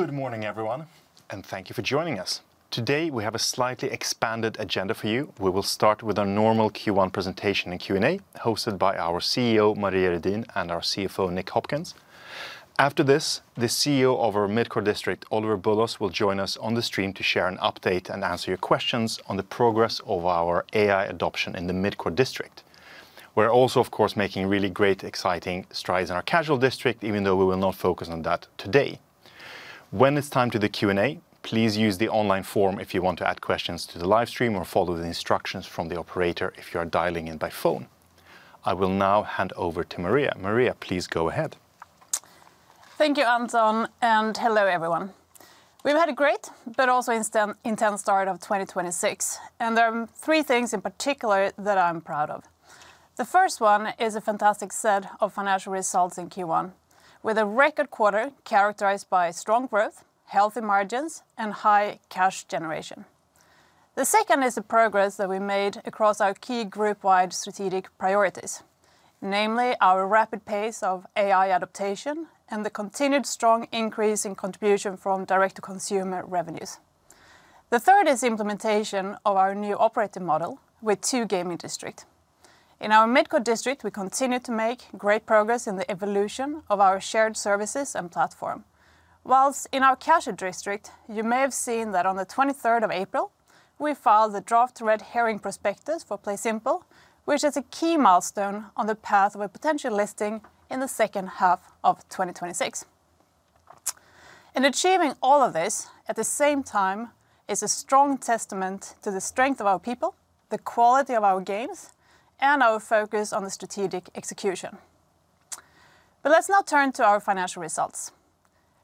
Good morning, everyone, and thank you for joining us. Today, we have a slightly expanded agenda for you. We will start with our normal Q1 presentation and Q&A, hosted by our CEO, Maria Redin, and our CFO, Nick Hopkins. After this, the CEO of our Midcore District, Oliver Bulloss, will join us on the stream to share an update and answer your questions on the progress of our AI adoption in the Midcore District. We're also, of course, making really great, exciting strides in our Casual District, even though we will not focus on that today. When it's time to the Q&A, please use the online form if you want to add questions to the live stream, or follow the instructions from the operator if you are dialing in by phone. I will now hand over to Maria. Maria, please go ahead. Thank you, Anton, and hello, everyone. We've had a great, but also intense start of 2026, and there are three things in particular that I'm proud of. The first one is a fantastic set of financial results in Q1, with a record quarter characterized by strong growth, healthy margins, and high cash generation. The second is the progress that we made across our key group-wide strategic priorities, namely our rapid pace of AI adaptation and the continued strong increase in contribution from direct-to-consumer revenues. The third is implementation of our new operating model with two gaming district. In our Midcore District, we continue to make great progress in the evolution of our shared services and platform, whilst in our Casual District, you may have seen that on the 23rd of April, we filed a draft red herring prospectus for PlaySimple, which is a key milestone on the path of a potential listing in the second half of 2026. Achieving all of this at the same time is a strong testament to the strength of our people, the quality of our games, and our focus on the strategic execution. Let's now turn to our financial results.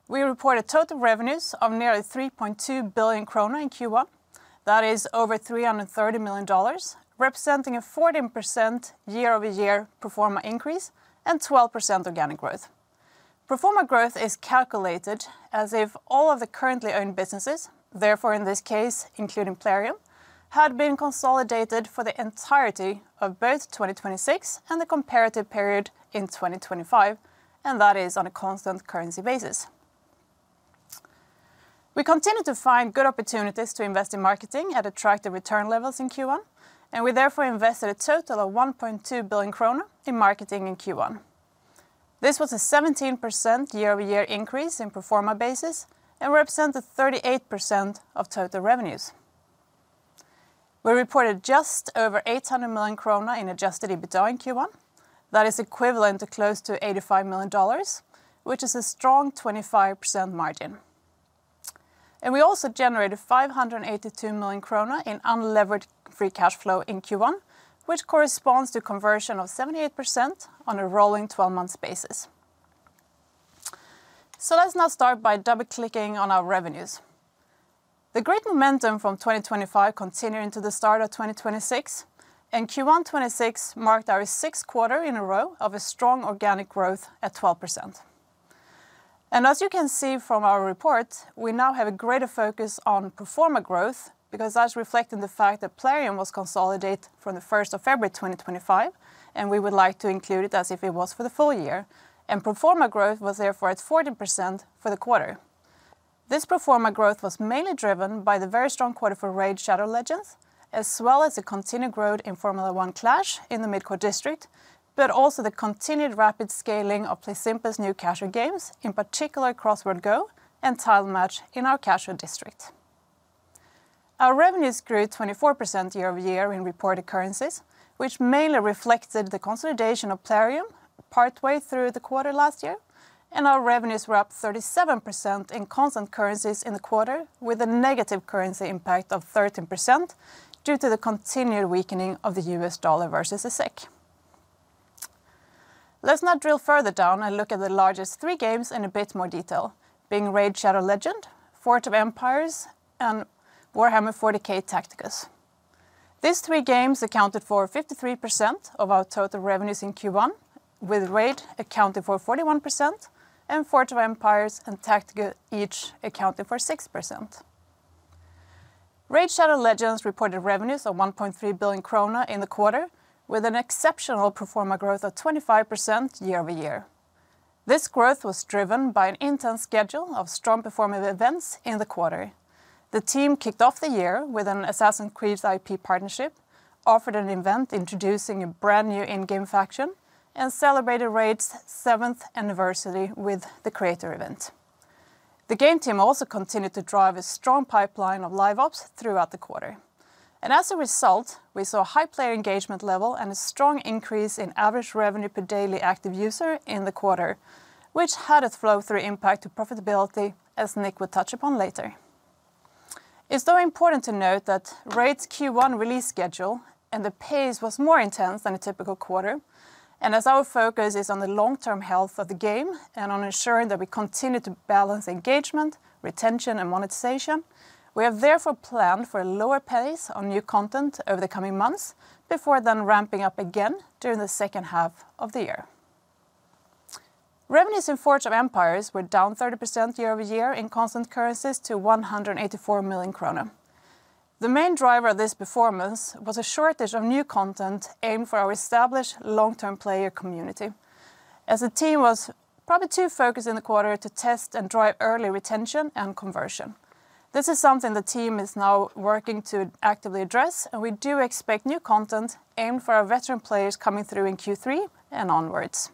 We reported total revenues of nearly 3.2 billion krona in Q1. That is over $330 million, representing a 14% year-over-year pro forma increase and 12% organic growth. Pro forma growth is calculated as if all of the currently owned businesses, therefore in this case, including Plarium, had been consolidated for the entirety of both 2026 and the comparative period in 2025, and that is on a constant currency basis. We continue to find good opportunities to invest in marketing at attractive return levels in Q1. We therefore invested a total of 1.2 billion kronor in marketing in Q1. This was a 17% year-over-year increase in pro forma basis and represented 38% of total revenues. We reported just over 800 million krona in adjusted EBITDA in Q1. That is equivalent to close to $85 million, which is a strong 25% margin. We also generated 582 million kronor in unlevered free cash flow in Q1, which corresponds to conversion of 78% on a rolling 12-month basis. Let's now start by double-clicking on our revenues. The great momentum from 2025 continued into the start of 2026, Q1 2026 marked our sixth quarter in a row of a strong organic growth at 12%. As you can see from our report, we now have a greater focus on pro forma growth because that's reflecting the fact that Plarium was consolidated from the 1st of February 2025, and we would like to include it as if it was for the full year, and pro forma growth was therefore at 14% for the quarter. This pro forma growth was mainly driven by the very strong quarter for RAID: Shadow Legends, as well as the continued growth in Formula 1 Clash in the Midcore District, but also the continued rapid scaling of PlaySimple's new casual games, in particular Crossword Go! and Tile Match!, in our Casual District. Our revenues grew 24% year-over-year in reported currencies, which mainly reflected the consolidation of Plarium partway through the quarter last year, and our revenues were up 37% in constant currencies in the quarter with a negative currency impact of 13% due to the continued weakening of the U.S. dollar versus the SEK. Let's now drill further down and look at the largest three games in a bit more detail, being RAID: Shadow Legends, Forge of Empires, and Warhammer 40,000: Tacticus. These three games accounted for 53% of our total revenues in Q1, with RAID accounting for 41% and Forge of Empires and Tacticus each accounting for 6%. RAID: Shadow Legends reported revenues of 1.3 billion krona in the quarter with an exceptional pro forma growth of 25% year-over-year. This growth was driven by an intense schedule of strong pro forma events in the quarter. The team kicked off the year with an Assassin's Creed IP partnership, offered an event introducing a brand-new in-game faction, and celebrated RAID's seventh anniversary with the creator event. The game team also continued to drive a strong pipeline of live ops throughout the quarter. As a result, we saw high player engagement level and a strong increase in average revenue per daily active user in the quarter, which had a flow-through impact to profitability, as Nick will touch upon later. It's, though, important to note that RAID's Q1 release schedule and the pace was more intense than a typical quarter, and as our focus is on the long-term health of the game and on ensuring that we continue to balance engagement, retention, and monetization, we have therefore planned for a lower pace on new content over the coming months before then ramping up again during the second half of the year. Revenues in Forge of Empires were down 30% year-over-year in constant currencies to 184 million krona. The main driver of this performance was a shortage of new content aimed for our established long-term player community, as the team was probably too focused in the quarter to test and drive early retention and conversion. This is something the team is now working to actively address. We do expect new content aimed for our veteran players coming through in Q3 and onwards.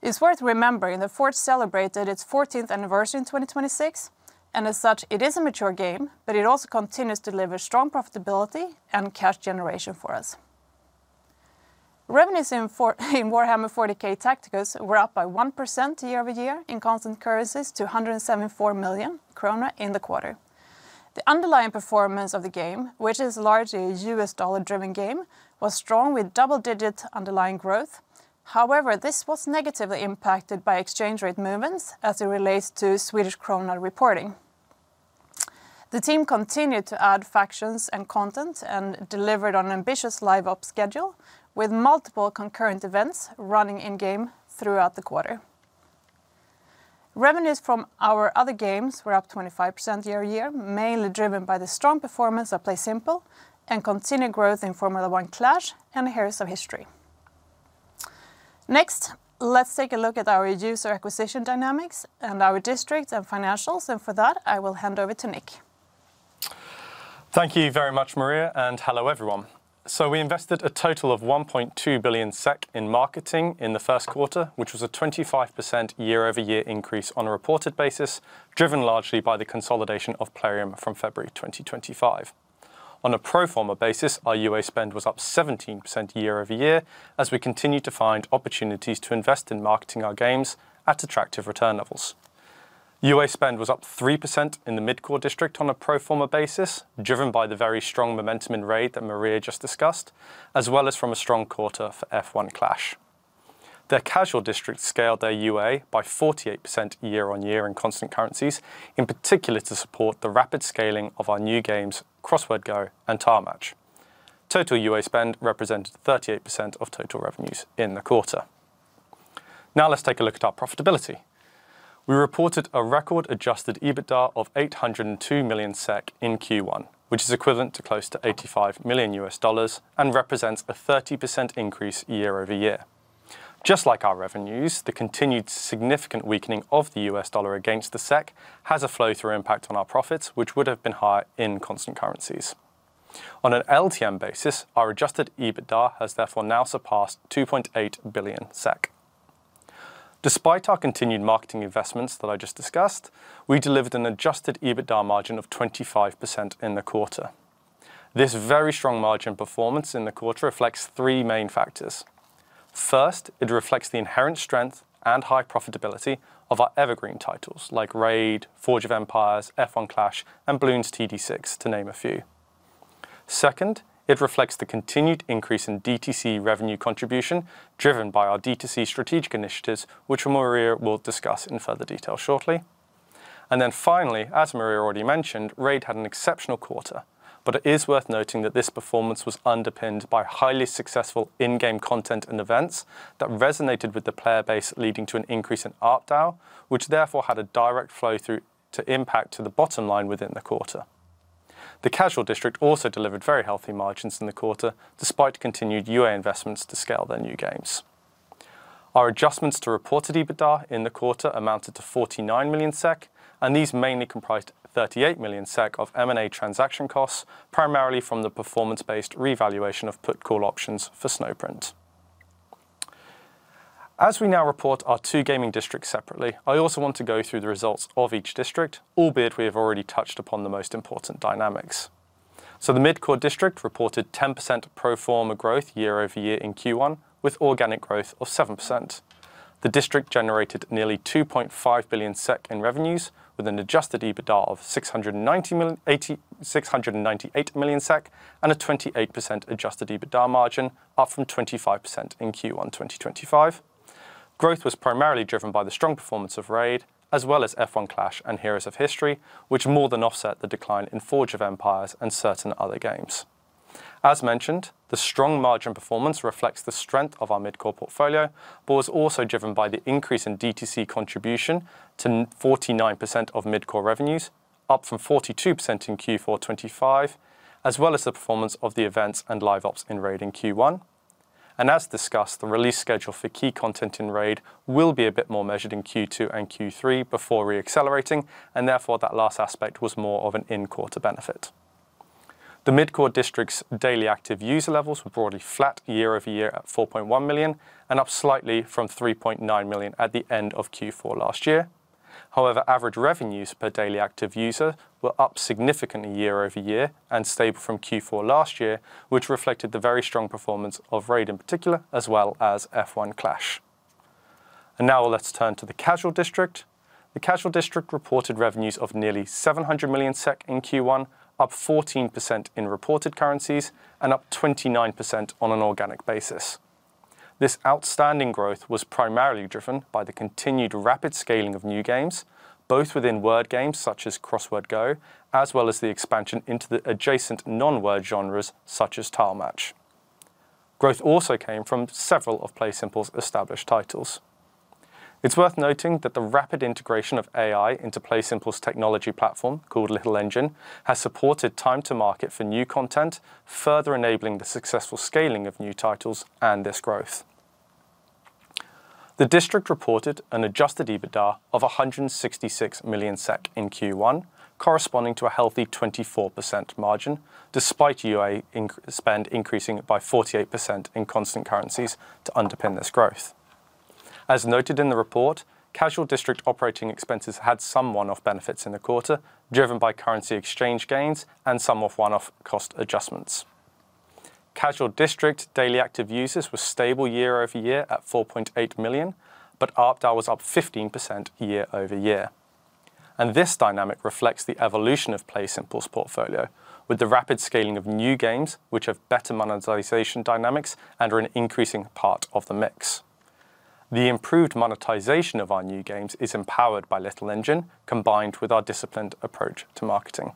It's worth remembering that Forge celebrated its 14th anniversary in 2026, and as such, it is a mature game, but it also continues to deliver strong profitability and cash generation for us. Revenues in Warhammer 40,000: Tacticus were up by 1% year-over-year in constant currencies to 174 million kronor in the quarter. The underlying performance of the game, which is largely a U.S. dollar-driven game, was strong with double digits underlying growth. However, this was negatively impacted by exchange rate movements as it relates to Swedish krona reporting. The team continued to add factions and content and delivered on an ambitious live ops schedule with multiple concurrent events running in game throughout the quarter. Revenues from our other games were up 25% year-over-year, mainly driven by the strong performance of PlaySimple and continued growth in Formula 1 Clash and Heroes of History. Next, let's take a look at our user acquisition dynamics and our district and financials, and for that, I will hand over to Nick. Thank you very much, Maria, and hello, everyone. We invested a total of 1.2 billion SEK in marketing in the first quarter, which was a 25% year-over-year increase on a reported basis, driven largely by the consolidation of Plarium from February 2025. On a pro forma basis, our UA spend was up 17% year-over-year as we continue to find opportunities to invest in marketing our games at attractive return levels. UA spend was up 3% in the Midcore District on a pro forma basis, driven by the very strong momentum in RAID that Maria just discussed, as well as from a strong quarter for F1 Clash. The Casual District scaled their UA by 48% year-on-year in constant currencies, in particular to support the rapid scaling of our new games, Crossword Go! and Tile Match. Total UA spend represented 38% of total revenues in the quarter. Now let's take a look at our profitability. We reported a record adjusted EBITDA of 802 million SEK in Q1, which is equivalent to close to $85 million and represents a 30% increase year-over-year. Just like our revenues, the continued significant weakening of the U.S. dollar against the SEK has a flow-through impact on our profits, which would have been higher in constant currencies. On an LTM basis, our adjusted EBITDA has therefore now surpassed 2.8 billion SEK. Despite our continued marketing investments that I just discussed, we delivered an adjusted EBITDA margin of 25% in the quarter. This very strong margin performance in the quarter reflects three main factors. First, it reflects the inherent strength and high profitability of our evergreen titles like RAID, Forge of Empires, F1 Clash, and Bloons TD 6, to name a few. Second, it reflects the continued increase in DTC revenue contribution driven by our DTC strategic initiatives, which Maria will discuss in further detail shortly. Finally, as Maria already mentioned, RAID had an exceptional quarter. It is worth noting that this performance was underpinned by highly successful in-game content and events that resonated with the player base, leading to an increase in ARPDAU, which therefore had a direct flow-through to impact to the bottom line within the quarter. The Casual District also delivered very healthy margins in the quarter, despite continued UA investments to scale their new games. Our adjustments to reported EBITDA in the quarter amounted to 49 million SEK, and these mainly comprised 38 million SEK of M&A transaction costs, primarily from the performance-based revaluation of put call options for Snowprint. As we now report our two gaming districts separately, I also want to through the results of each district, albeit we have already touched upon the most important dynamics. The Midcore District reported 10% pro forma growth year-over-year in Q1 with organic growth of 7%. The district generated nearly 2.5 billion SEK in revenues with an adjusted EBITDA of 698 million SEK and a 28% adjusted EBITDA margin, up from 25% in Q1 2025. Growth was primarily driven by the strong performance of RAID, as well as F1 Clash and Heroes of History, which more than offset the decline in Forge of Empires and certain other games. As mentioned, the strong margin performance reflects the strength of our mid-core portfolio, but was also driven by the increase in DTC contribution to 49% of mid-core revenues, up from 42% in Q4 2025, as well as the performance of the events and live ops in RAID in Q1. As discussed, the release schedule for key content in RAID will be a bit more measured in Q2 and Q3 before re-accelerating, and therefore that last aspect was more of an in-quarter benefit. The Midcore District's daily active user levels were broadly flat year-over-year at 4.1 million and up slightly from 3.9 million at the end of Q4 last year. However, average revenues per daily active user were up significantly year-over-year and stable from Q4 last year, which reflected the very strong performance of RAID in particular, as well as F1 Clash. Now let's turn to the Casual District. The Casual District reported revenues of nearly 700 million SEK in Q1, up 14% in reported currencies and up 29% on an organic basis. This outstanding growth was primarily driven by the continued rapid scaling of new games, both within word games such as Crossword Go!, as well as the expansion into the adjacent non-word genres such as Tile Match. Growth also came from several of PlaySimple's established titles. It's worth noting that the rapid integration of AI into PlaySimple's technology platform, called Little Engine, has supported time to market for new content, further enabling the successful scaling of new titles and this growth. The district reported an adjusted EBITDA of 166 million SEK in Q1, corresponding to a healthy 24% margin, despite UA spend increasing by 48% in constant currencies to underpin this growth. As noted in the report, Casual District operating expenses had some one-off benefits in the quarter, driven by currency exchange gains and some of one-off cost adjustments. Casual District daily active users was stable year-over-year at 4.8 million, ARPDAU was up 15% year-over-year. This dynamic reflects the evolution of PlaySimple's portfolio, with the rapid scaling of new games which have better monetization dynamics and are an increasing part of the mix. The improved monetization of our new games is empowered by Little Engine, combined with our disciplined approach to marketing.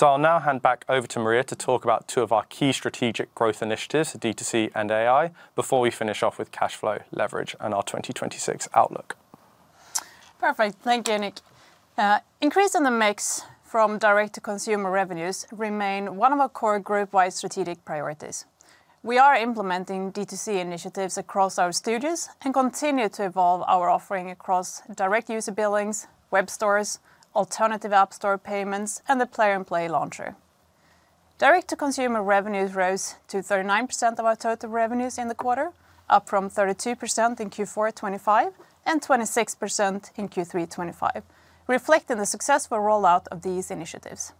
I'll now hand back over to Maria to talk about two of our key strategic growth initiatives, D2C and AI, before we finish off with cash flow, leverage, and our 2026 outlook. Perfect. Thank you, Nick. Increase in the mix from direct-to-consumer revenues remain one of our core group-wide strategic priorities. We are implementing D2C initiatives across our studios and continue to evolve our offering across direct user billings, web stores, alternative app store payments, and the Plarium Play launcher. Direct-to-consumer revenues rose to 39% of our total revenues in the quarter, up from 32% in Q4 2025, and 26% in Q3 2025, reflecting the successful rollout of these initiatives.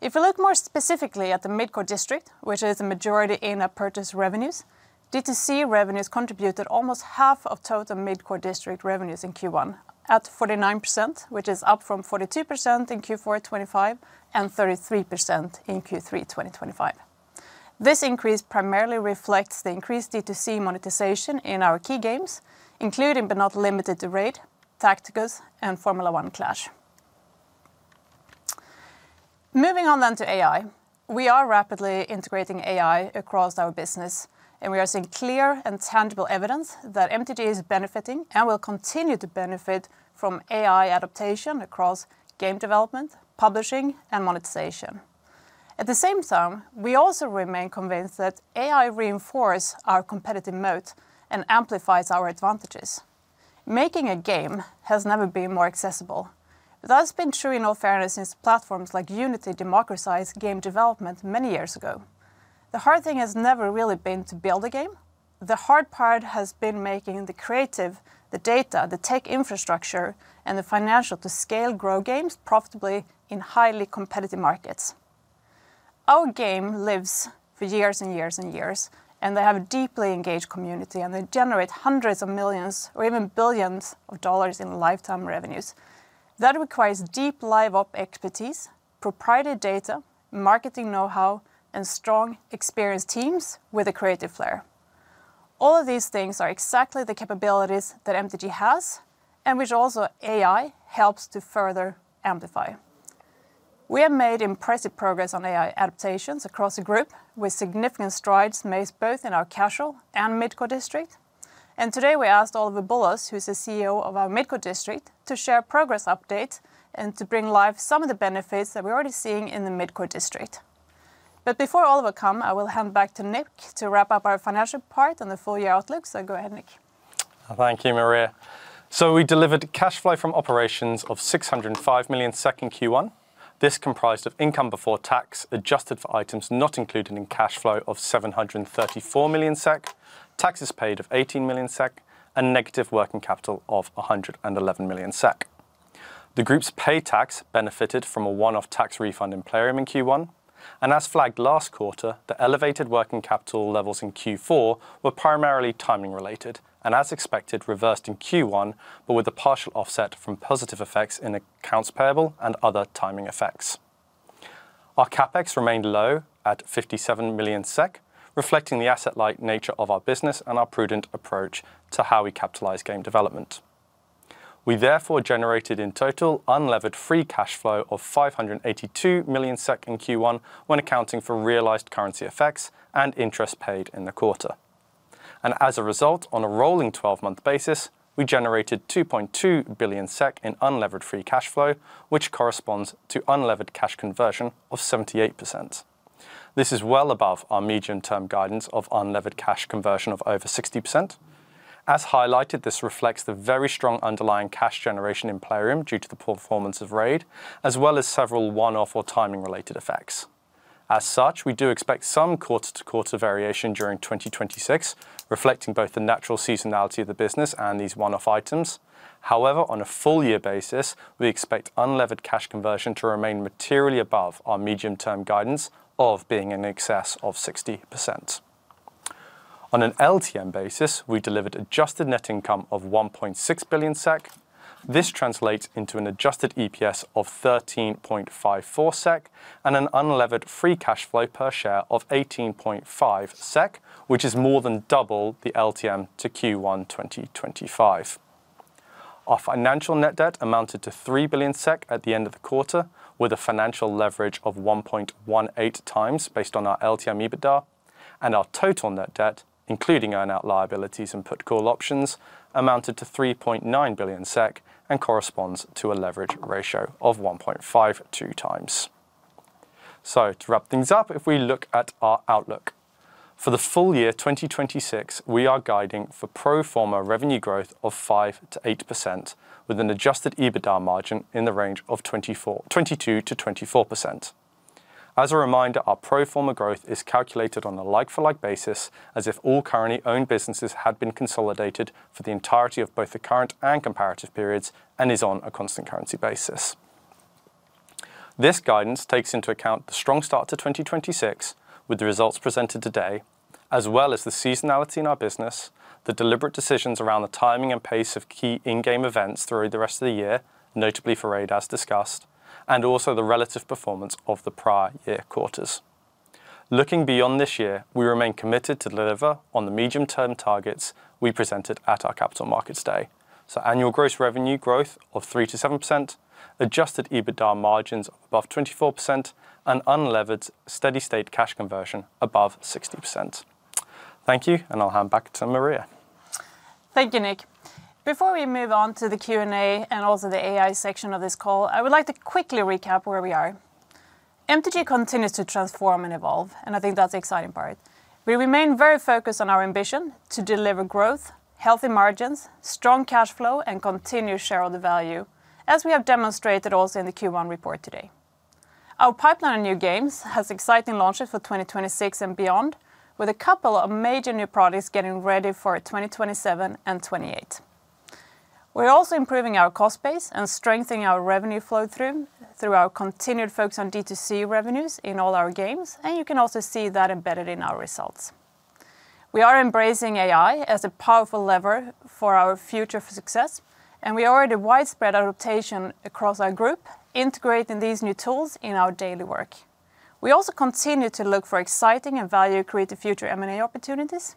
If you look more specifically at the Midcore District, which is a majority in-app purchase revenues, D2C revenues contributed almost half of total Midcore District revenues in Q1, at 49%, which is up from 42% in Q4 2025, and 33% in Q3 2025. This increase primarily reflects the increased D2C monetization in our key games, including but not limited to RAID, Tacticus, and Formula 1 Clash. Moving on to AI, we are rapidly integrating AI across our business. We are seeing clear and tangible evidence that MTG is benefiting and will continue to benefit from AI adaptation across game development, publishing, and monetization. At the same time, we also remain convinced that AI reinforces our competitive moat and amplifies our advantages. Making a game has never been more accessible. That's been true, in all fairness, since platforms like Unity democratized game development many years ago. The hard thing has never really been to build a game. The hard part has been making the creative, the data, the tech infrastructure, and the financial to scale, grow games profitably in highly competitive markets. Our game lives for years and years and years. They have a deeply engaged community. They generate hundreds of millions or even billions of dollars in lifetime revenues. That requires deep live ops expertise, proprietary data, marketing know-how, and strong, experienced teams with a creative flair. All of these things are exactly the capabilities that MTG has and which also AI helps to further amplify. We have made impressive progress on AI adaptations across the group, with significant strides made both in our Casual and Midcore District, and today we asked Oliver Bulloss, who is the CEO of our Midcore District, to share a progress update and to bring to life some of the benefits that we are already seeing in the Midcore District. Before Oliver come, I will hand back to Nick to wrap up our financial part and the full year outlook. Go ahead, Nick. Thank you, Maria. We delivered cash flow from operations of 605 million in Q1. This comprised of income before tax adjusted for items not included in cash flow of 734 million SEK, taxes paid of 18 million SEK, and negative working capital of 111 million SEK. The group's pay tax benefited from a one-off tax refund in Plarium in Q1, and as flagged last quarter, the elevated working capital levels in Q4 were primarily timing related, and as expected, reversed in Q1, but with a partial offset from positive effects in accounts payable and other timing effects. Our CapEx remained low at 57 million SEK, reflecting the asset-like nature of our business and our prudent approach to how we capitalize game development. We therefore generated in total unlevered free cash flow of 582 million SEK in Q1 when accounting for realized currency effects and interest paid in the quarter. As a result, on a rolling 12-month basis, we generated 2.2 billion SEK in unlevered free cash flow, which corresponds to unlevered cash conversion of 78%. This is well above our medium-term guidance of unlevered cash conversion of over 60%. As highlighted, this reflects the very strong underlying cash generation in Plarium due to the performance of RAID, as well as several one-off or timing related effects. As such, we do expect some quarter-to-quarter variation during 2026, reflecting both the natural seasonality of the business and these one-off items. However, on a full year basis, we expect unlevered cash conversion to remain materially above our medium-term guidance of being in excess of 60%. On an LTM basis, we delivered adjusted net income of 1.6 billion SEK. This translates into an adjusted EPS of 13.54 SEK and an unlevered free cash flow per share of 18.5 SEK, which is more than double the LTM to Q1 2025. Our financial net debt amounted to 3 billion SEK at the end of the quarter, with a financial leverage of 1.18x based on our LTM EBITDA. Our total net debt, including earn-out liabilities and put call options, amounted to 3.9 billion SEK and corresponds to a leverage ratio of 1.52x. To wrap things up, if we look at our outlook. For the full year 2026, we are guiding for pro forma revenue growth of 5%-8% with an adjusted EBITDA margin in the range of 22%-24%. As a reminder, our pro forma growth is calculated on a like-for-like basis as if all currently owned businesses had been consolidated for the entirety of both the current and comparative periods and is on a constant currency basis. This guidance takes into account the strong start to 2026 with the results presented today, as well as the seasonality in our business, the deliberate decisions around the timing and pace of key in-game events through the rest of the year, notably for RAID as discussed, and also the relative performance of the prior year quarters. Looking beyond this year, we remain committed to deliver on the medium-term targets we presented at our Capital Markets Day. Annual gross revenue growth of 3% to 7%, adjusted EBITDA margins above 24%, and unlevered steady-state cash conversion above 60%. Thank you, and I'll hand back to Maria. Thank you, Nick. Before we move on to the Q&A and also the AI section of this call, I would like to quickly recap where we are. MTG continues to transform and evolve. I think that's the exciting part. We remain very focused on our ambition to deliver growth, healthy margins, strong cash flow, and continued share of the value, as we have demonstrated also in the Q1 report today. Our pipeline of new games has exciting launches for 2026 and beyond, with a couple of major new products getting ready for 2027 and 2028. We're also improving our cost base and strengthening our revenue flow-through through our continued focus on D2C revenues in all our games. You can also see that embedded in our results. We are embracing AI as a powerful lever for our future success, and we are at a widespread adaptation across our group, integrating these new tools in our daily work. We also continue to look for exciting and value-creative future M&A opportunities,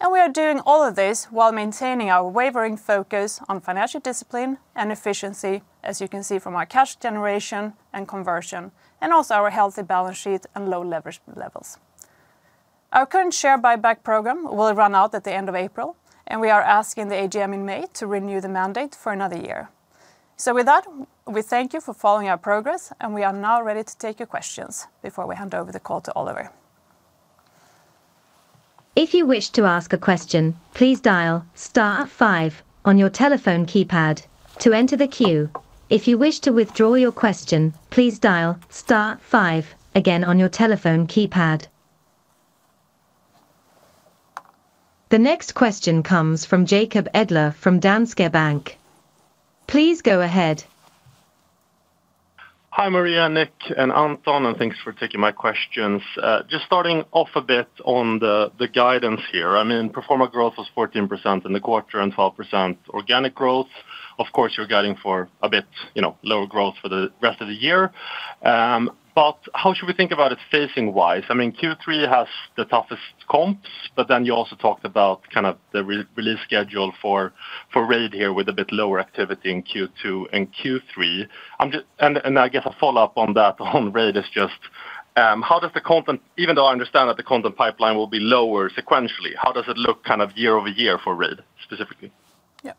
and we are doing all of this while maintaining our unwavering focus on financial discipline and efficiency, as you can see from our cash generation and conversion, and also our healthy balance sheet and low leverage levels. Our current share buyback program will run out at the end of April, and we are asking the AGM in May to renew the mandate for another year. With that, we thank you for following our progress, and we are now ready to take your questions before we hand over the call to Oliver. If you wish to ask a question, please dial star five on your telephone keypad. To enter the queue, if you wish to withdraw your question, please dial star five again on your telephone keypad. The next question comes from Jacob Edler from Danske Bank. Please go ahead. Hi, Maria, Nick, and Anton. Thanks for taking my questions. Just starting off a bit on the guidance here. I mean pro forma growth was 14% in the quarter and 12% organic growth. Of course, you're guiding for a bit, you know, lower growth for the rest of the year. How should we think about it phasing-wise? I mean, Q3 has the toughest comps, but then you also talked about kind of the re-release schedule for RAID here with a bit lower activity in Q2 and Q3. I guess a follow-up on that on RAID is just, Even though I understand that the content pipeline will be lower sequentially, how does it look kind of year-over-year for RAID specifically? Yeah.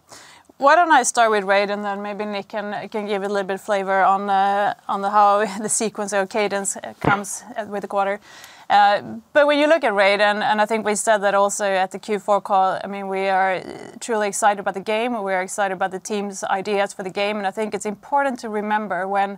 Why don't I start with RAID and then maybe Nick can give a little bit of flavor on the how the sequence or cadence comes with the quarter. When you look at RAID, and I think we said that also at the Q4 call, I mean, we are truly excited about the game, and we are excited about the team's ideas for the game. I think it's important to remember when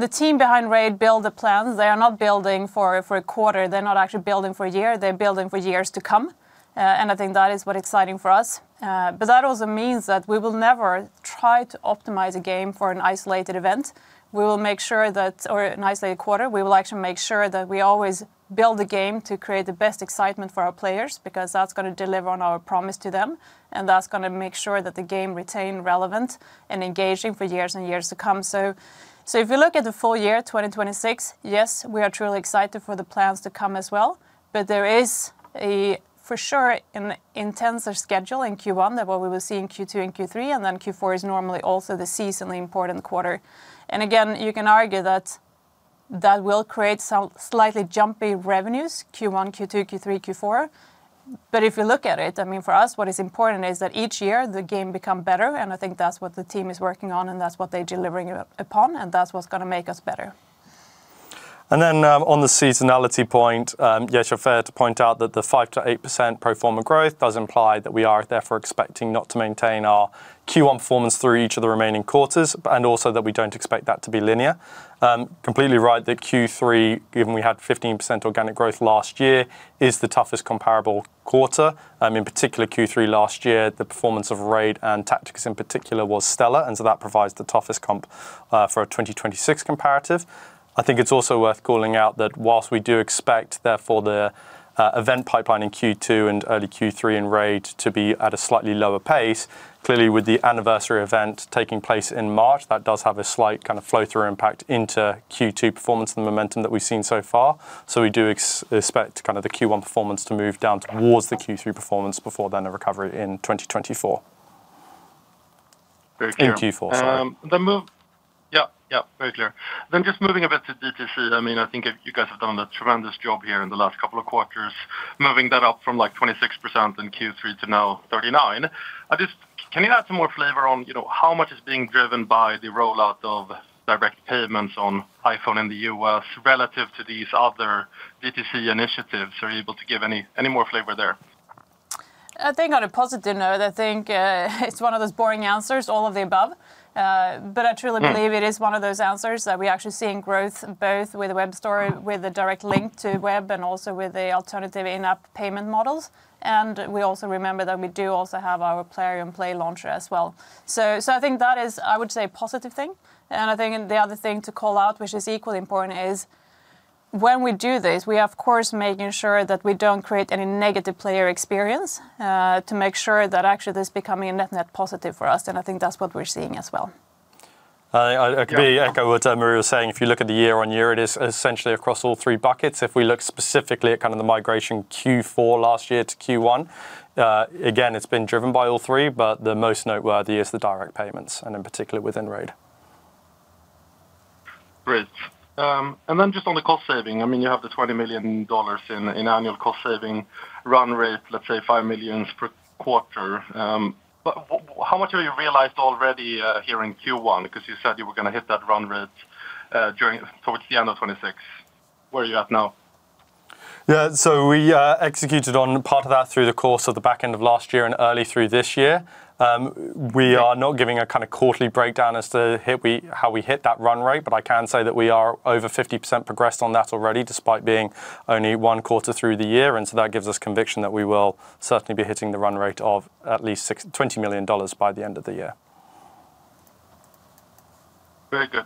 the team behind RAID build the plans, they are not building for a quarter. They're not actually building for a year. They're building for years to come. I think that is what exciting for us. That also means that we will never try to optimize a game for an isolated event. We will make sure that, or an isolated quarter. We will actually make sure that we always build the game to create the best excitement for our players because that's gonna deliver on our promise to them, and that's gonna make sure that the game remain relevant and engaging for years and years to come. If you look at the full year 2026, yes, we are truly excited for the plans to come as well. There is a for sure an intense schedule in Q1 than what we will see in Q2 and Q3, and then Q4 is normally also the seasonally important quarter. Again, you can argue that that will create some slightly jumpy revenues, Q1, Q2, Q3, Q4. If you look at it, I mean, for us, what is important is that each year the game becomes better, and I think that's what the team is working on, and that's what they're delivering upon, and that's what's gonna make us better. On the seasonality point, yes, you're fair to point out that the 5%-8% pro forma growth does imply that we are therefore expecting not to maintain our Q1 performance through each of the remaining quarters and also that we don't expect that to be linear. Completely right that Q3, given we had 15% organic growth last year, is the toughest comparable quarter. In particular, Q3 last year, the performance of RAID and Tacticus in particular was stellar, and so that provides the toughest comp for a 2026 comparative. I think it is also worth calling out that whilst we do expect therefore the event pipeline in Q2 and early Q3 in RAID to be at a slightly lower pace, clearly with the anniversary event taking place in March, that does have a slight kind of flow-through impact into Q2 performance and the momentum that we've seen so far. We do expect kind of the Q1 performance to move down towards the Q3 performance before then a recovery in 2024. Very clear. in Q4. Yeah, yeah, very clear. Just moving a bit to DTC, I mean, I think you guys have done a tremendous job here in the last couple of quarters moving that up from, like, 26% in Q3 to now 39%. Can you add some more flavor on, you know, how much is being driven by the rollout of direct payments on iPhone in the U.S. relative to these other DTC initiatives? Are you able to give any more flavor there? I think on a positive note, I think, it's one of those boring answers, all of the above. I truly believe. It is one of those answers that we're actually seeing growth both with the web store, with the direct link to web, and also with the alternative in-app payment models. We also remember that we do also have our Plarium Play launcher as well. I think that is, I would say, a positive thing. I think, the other thing to call out, which is equally important, is when we do this, we are of course making sure that we don't create any negative player experience to make sure that actually this is becoming a net-net positive for us, and I think that's what we're seeing as well. I could really echo what Maria was saying. If you look at the year-over-year, it is essentially across all three buckets. If we look specifically at kind of the migration Q4 last year to Q1, again, it's been driven by all three, but the most noteworthy is the direct payments, and in particular within RAID. Great. Just on the cost saving, I mean, you have the $20 million in annual cost saving run rate, let's say $5 million per quarter. How much have you realized already here in Q1? Because you said you were going to hit that run rate towards the end of 2026. Where are you at now? We executed on part of that through the course of the back end of last year and early through this year. We are not giving a kind of quarterly breakdown as to how we hit that run rate, but I can say that we are over 50% progressed on that already, despite being only one quarter through the year. That gives us conviction that we will certainly be hitting the run rate of at least $20 million by the end of the year. Very good.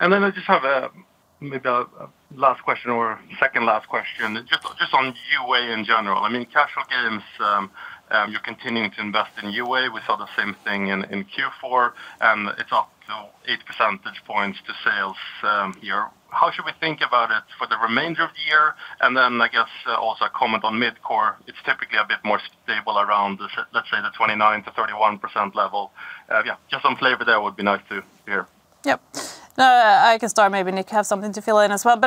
Then I just have, maybe a last question or second to last question, on UA in general. I mean, casual games, you're continuing to invest in UA. We saw the same thing in Q4, and it's up to 8 percentage points to sales year. How should we think about it for the remainder of the year? Then I guess also a comment on Midcore. It's typically a bit more stable around let's say the 29%-31% level. Yeah, just some flavor there would be nice to hear. Yep. I can start. Maybe Nick has something to fill in as well.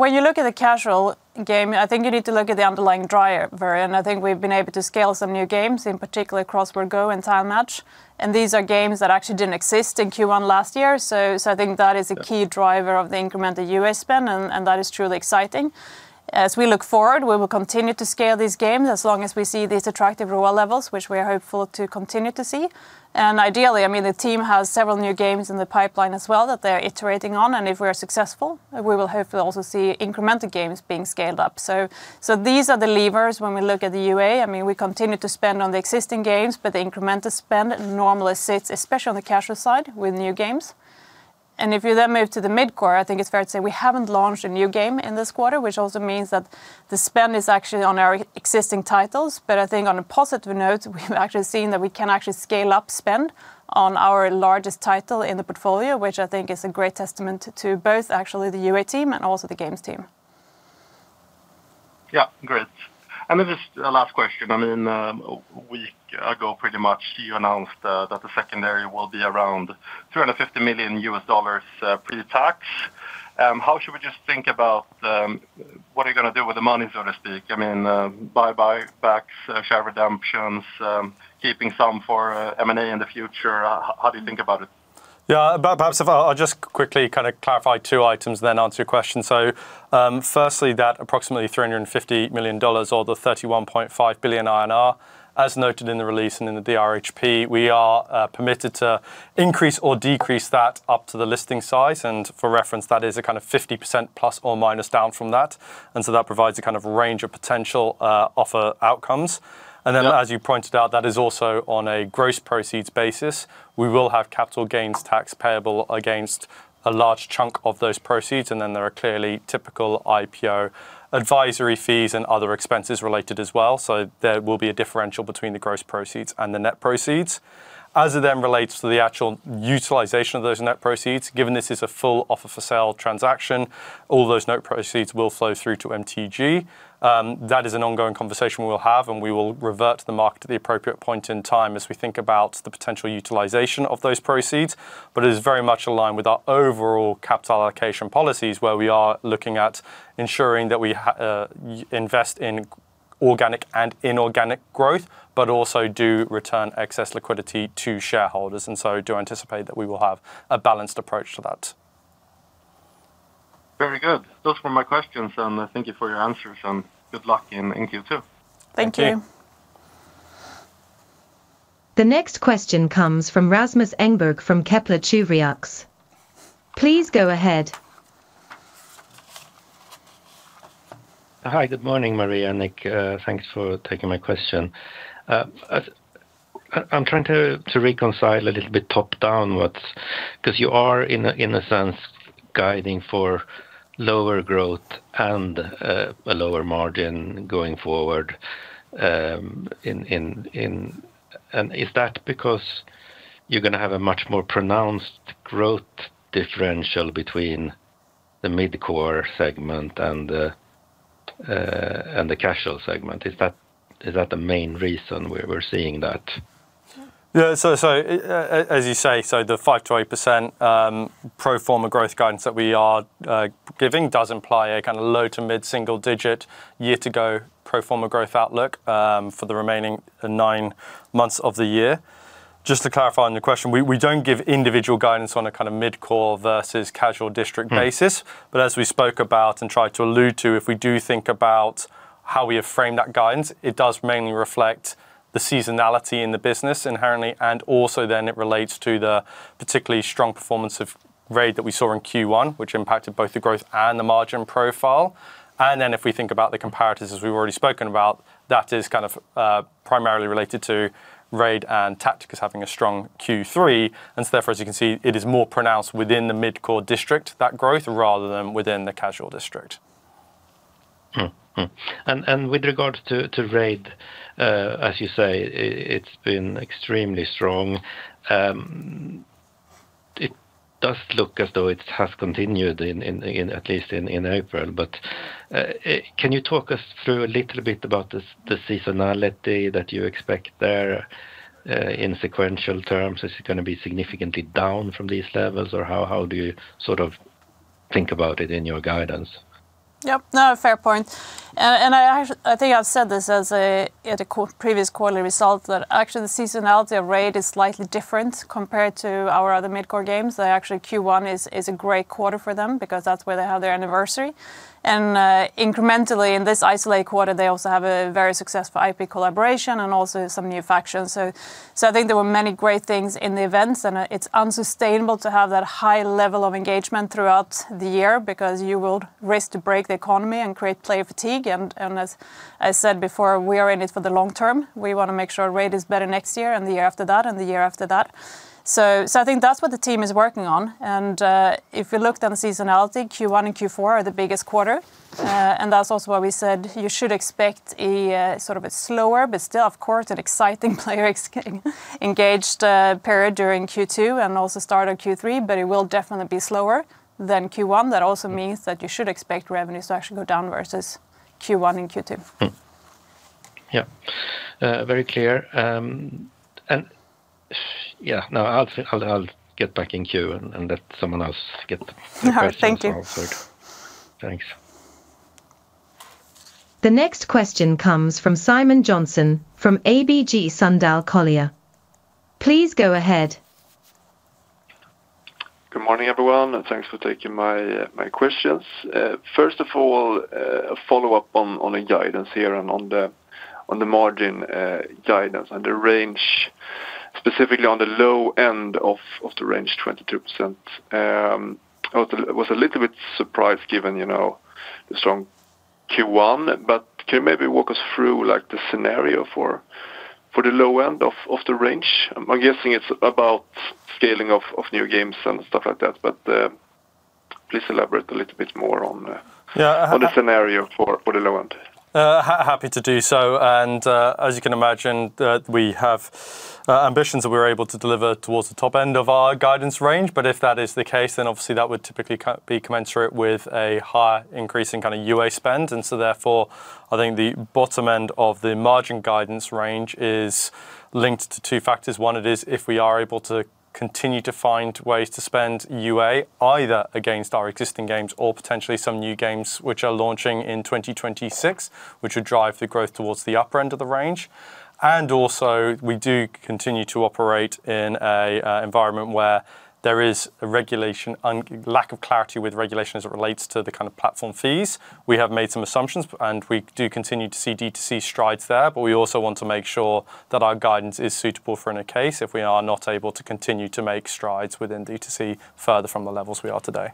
When you look at the casual game, I think you need to look at the underlying driver. I think we've been able to scale some new games, in particular Crossword Go! and Tile Match, and these are games that actually didn't exist in Q1 last year. I think that is a key driver of the incremental UA spend, and that is truly exciting. As we look forward, we will continue to scale these games as long as we see these attractive ROAS levels, which we are hopeful to continue to see. Ideally, I mean, the team has several new games in the pipeline as well that they're iterating on, and if we are successful, we will hopefully also see incremental games being scaled up. These are the levers when we look at the UA. I mean, we continue to spend on the existing games, but the incremental spend normally sits, especially on the casual side, with new games. If you then move to the Midcore, I think it is fair to say we haven't launched a new game in this quarter, which also means that the spend is actually on our existing titles. I think on a positive note, we've actually seen that we can actually scale up spend on our largest title in the portfolio, which I think is a great testament to both actually the UA team and also the games team. Yeah. Great. Just a last question. I mean, a week ago pretty much, you announced that the secondary will be around $350 million pre-tax. How should we just think about what are you gonna do with the money, so to speak? I mean, buybacks, share redemptions, keeping some for M&A in the future, how do you think about it? Yeah. Perhaps if I'll just quickly kinda clarify two items, answer your question. Firstly, that approximately $350 million or the 31.5 billion INR, as noted in the release and in the DRHP, we are permitted to increase or decrease that up to the listing size. For reference, that is a kind of ±50% down from that. That provides a kind of range of potential offer outcomes. Yeah. As you pointed out, that is also on a gross proceeds basis. We will have capital gains tax payable against a large chunk of those proceeds, and then there are clearly typical IPO advisory fees and other expenses related as well. There will be a differential between the gross proceeds and the net proceeds. As it relates to the actual utilization of those net proceeds, given this is a full offer for sale transaction, all those net proceeds will flow through to MTG. That is an ongoing conversation we'll have, and we will revert the market at the appropriate point in time as we think about the potential utilization of those proceeds. It is very much aligned with our overall capital allocation policies, where we are looking at ensuring that we invest in organic and inorganic growth, but also do return excess liquidity to shareholders. Do anticipate that we will have a balanced approach to that. Very good. Those were my questions, and thank you for your answers, and good luck in Q2. Thank you. Thank you. The next question comes from Rasmus Engberg from Kepler Cheuvreux. Please go ahead. Hi. Good morning, Maria and Nick. Thanks for taking my question. I'm trying to reconcile a little bit top-down 'cause you are in a sense guiding for lower growth and a lower margin going forward. Is that because you're gonna have a much more pronounced growth differential between the Midcore segment and the Casual segment. Is that the main reason we're seeing that? Yeah, as you say, so the 5%-8% pro forma growth guidance that we are giving does imply a kinda low to mid-single digit year-to-go pro forma growth outlook for the remaining nine months of the year. Just to clarify on your question, we don't give individual guidance on a kinda Midcore versus Casual District basis. As we spoke about and tried to allude to, if we do think about how we have framed that guidance, it does mainly reflect the seasonality in the business inherently, and also then it relates to the particularly strong performance of RAID that we saw in Q1, which impacted both the growth and the margin profile. If we think about the comparatives, as we've already spoken about, that is kind of primarily related to RAID and Tacticus having a strong Q3, therefore as you can see, it is more pronounced within the Midcore District, that growth, rather than within the Casual District. With regards to RAID, as you say, it's been extremely strong. It does look as though it has continued in April, but can you talk us through a little bit about the seasonality that you expect there in sequential terms? Is it gonna be significantly down from these levels, or how do you sort of think about it in your guidance? Yep. No, fair point. I think I've said this as a previous quarterly result that actually the seasonality of RAID is slightly different compared to our other mid-core games. They actually, Q1 is a great quarter for them because that's where they have their anniversary, and incrementally in this isolated quarter they also have a very successful IP collaboration and also some new factions, I think there were many great things in the events and it's unsustainable to have that high level of engagement throughout the year because you will risk to break the economy and create player fatigue and as I said before, we are in it for the long term. We wanna make sure RAID is better next year and the year after that and the year after that. I think that's what the team is working on, and if we looked on seasonality, Q1 and Q4 are the biggest quarter. That's also why we said you should expect a sort of a slower, but still of course an exciting player engaged period during Q2, and also start of Q3, but it will definitely be slower than Q1. That also means that you should expect revenues to actually go down versus Q1 and Q2. Very clear. Yeah, no, I'll get back in queue and let someone else get their questions answered. Thank you. Thanks. The next question comes from Simon Jönsson from ABG Sundal Collier. Please go ahead. Good morning, everyone, and thanks for taking my questions. First of all, a follow-up on the guidance here and on the margin guidance and the range specifically on the low end of the range, 22%. I was a little bit surprised given, you know, the strong Q1. Can you maybe walk us through, like, the scenario for the low end of the range? I'm guessing it's about scaling off of new games and stuff like that, but please elaborate a little bit more on the scenario for the low end. Happy to do so. As you can imagine, we have ambitions that we are able to deliver towards the top end of our guidance range. If that is the case, then obviously that would typically be commensurate with a higher increase in kinda UA spend. Therefore, I think the bottom end of the margin guidance range is linked to two factors. One, it is if we are able to continue to find ways to spend UA either against our existing games or potentially some new games which are launching in 2026, which would drive the growth towards the upper end of the range. Also, we do continue to operate in an environment where there is a regulation lack of clarity with regulation as it relates to the kind of platform fees. We have made some assumptions. We do continue to see D2C strides there, but we also want to make sure that our guidance is suitable for in a case if we are not able to continue to make strides within D2C further from the levels we are today.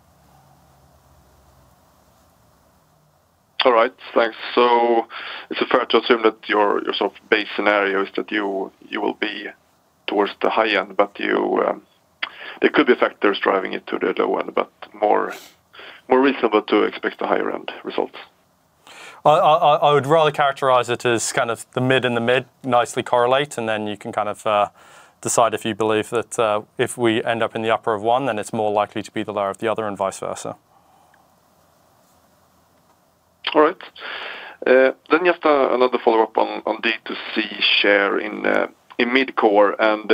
All right. Thanks. Is it fair to assume that your sort of base scenario is that you will be towards the high end, but you there could be factors driving it to the low end, but more reasonable to expect the higher end results? I would rather characterize it as kind of the mid and the mid nicely correlate, and then you can kind of decide if you believe that, if we end up in the upper of one, then it's more likely to be the lower of the other and vice versa. All right. just a, another follow-up on D2C share in mid-core and,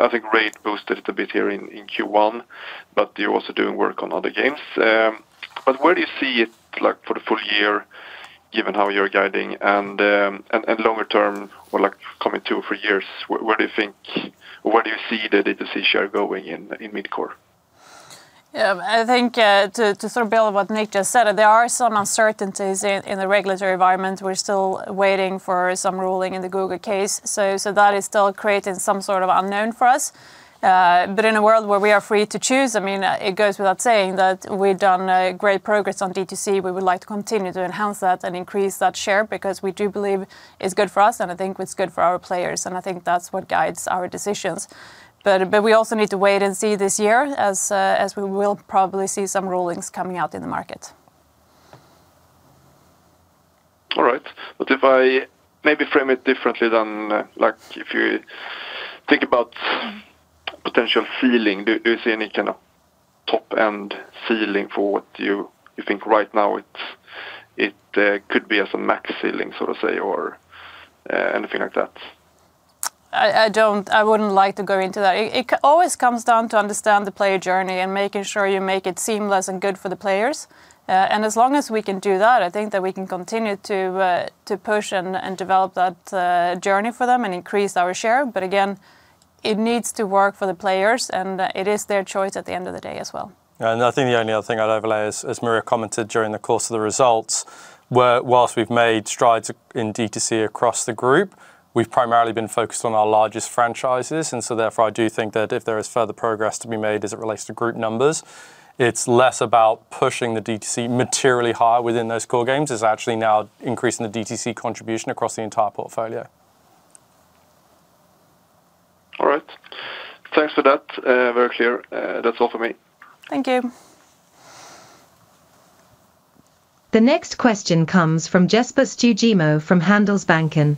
I think RAID boosted it a bit here in Q1, but you're also doing work on other games. where do you see it, like, for the full year given how you're guiding and longer term or, like, coming two or three years, where do you think or where do you see the D2C share going in mid-core? I think, to sort of build on what Nick just said, there are some uncertainties in the regulatory environment. We're still waiting for some ruling in the Google case, so that is still creating some sort of unknown for us. In a world where we are free to choose, I mean, it goes without saying that we've done great progress on D2C. We would like to continue to enhance that and increase that share because we do believe it's good for us and I think it's good for our players, and I think that's what guides our decisions. We also need to wait and see this year as we will probably see some rulings coming out in the market. All right. If I maybe frame it differently than, like, if you think about potential ceiling, do you see any kind of top-end ceiling for what you think right now it could be as a max ceiling, so to say, or anything like that? I wouldn't like to go into that. It always comes down to understand the player journey and making sure you make it seamless and good for the players. As long as we can do that, I think that we can continue to push and develop that journey for them and increase our share. Again, it needs to work for the players, and it is their choice at the end of the day as well. I think the only other thing I'd overlay is, as Maria commented during the course of the results, where whilst we've made strides in DTC across the group, we've primarily been focused on our largest franchises. Therefore, I do think that if there is further progress to be made as it relates to group numbers, it's less about pushing the DTC materially higher within those core games. It's actually now increasing the DTC contribution across the entire portfolio. All right. Thanks for that. Very clear. That's all for me. Thank you. The next question comes from Jesper Stugemo from Handelsbanken.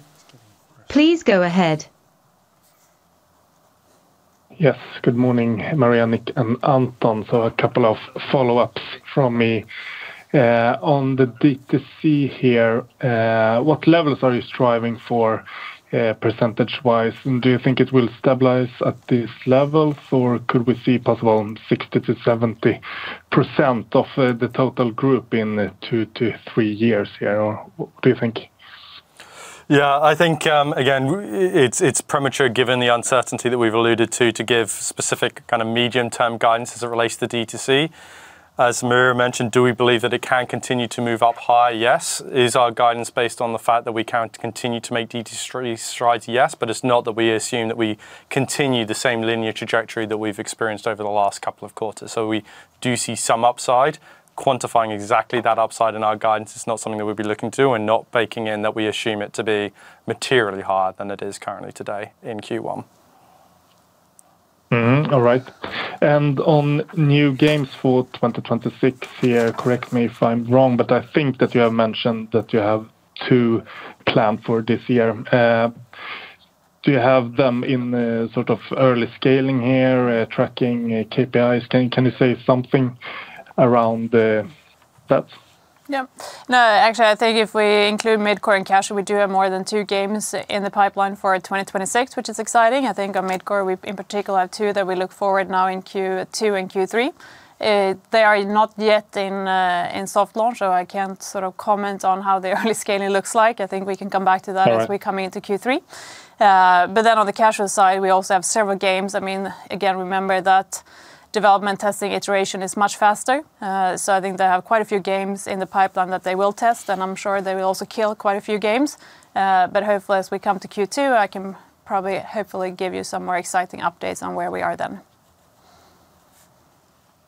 Please go ahead. Yes. Good morning, Maria, Nick, and Anton. A couple of follow-ups from me. On the DTC here, what levels are you striving for, percentage-wise, and do you think it will stabilize at this level, or could we see possible 60%-70% of the total group in two-three years here, or what do you think? I think, again, it's premature given the uncertainty that we've alluded to give specific kind of medium-term guidance as it relates to DTC. As Maria mentioned, do we believe that it can continue to move up higher? Yes. Is our guidance based on the fact that we can continue to make DTC strides? Yes. It's not that we assume that we continue the same linear trajectory that we've experienced over the last couple of quarters. We do see some upside. Quantifying exactly that upside in our guidance is not something that we'd be looking to and not baking in that we assume it to be materially higher than it is currently today in Q1. All right. On new games for 2026 here, correct me if I'm wrong, but I think that you have mentioned that you have two planned for this year. Do you have them in sort of early scaling here, tracking KPIs? Can you say something around that? Yeah. No, actually, I think if we include Midcore and casual, we do have more than two games in the pipeline for 2026, which is exciting. I think on Midcore we in particular have two that we look forward now in Q2 and Q3. They are not yet in soft launch, I can't sort of comment on how the early scaling looks like. I think we can come back to that as we come into Q3. On the casual side, we also have several games. I mean, again, remember that development testing iteration is much faster. I think they have quite a few games in the pipeline that they will test, and I am sure they will also kill quite a few games. Hopefully as we come to Q2, I can probably hopefully give you some more exciting updates on where we are then.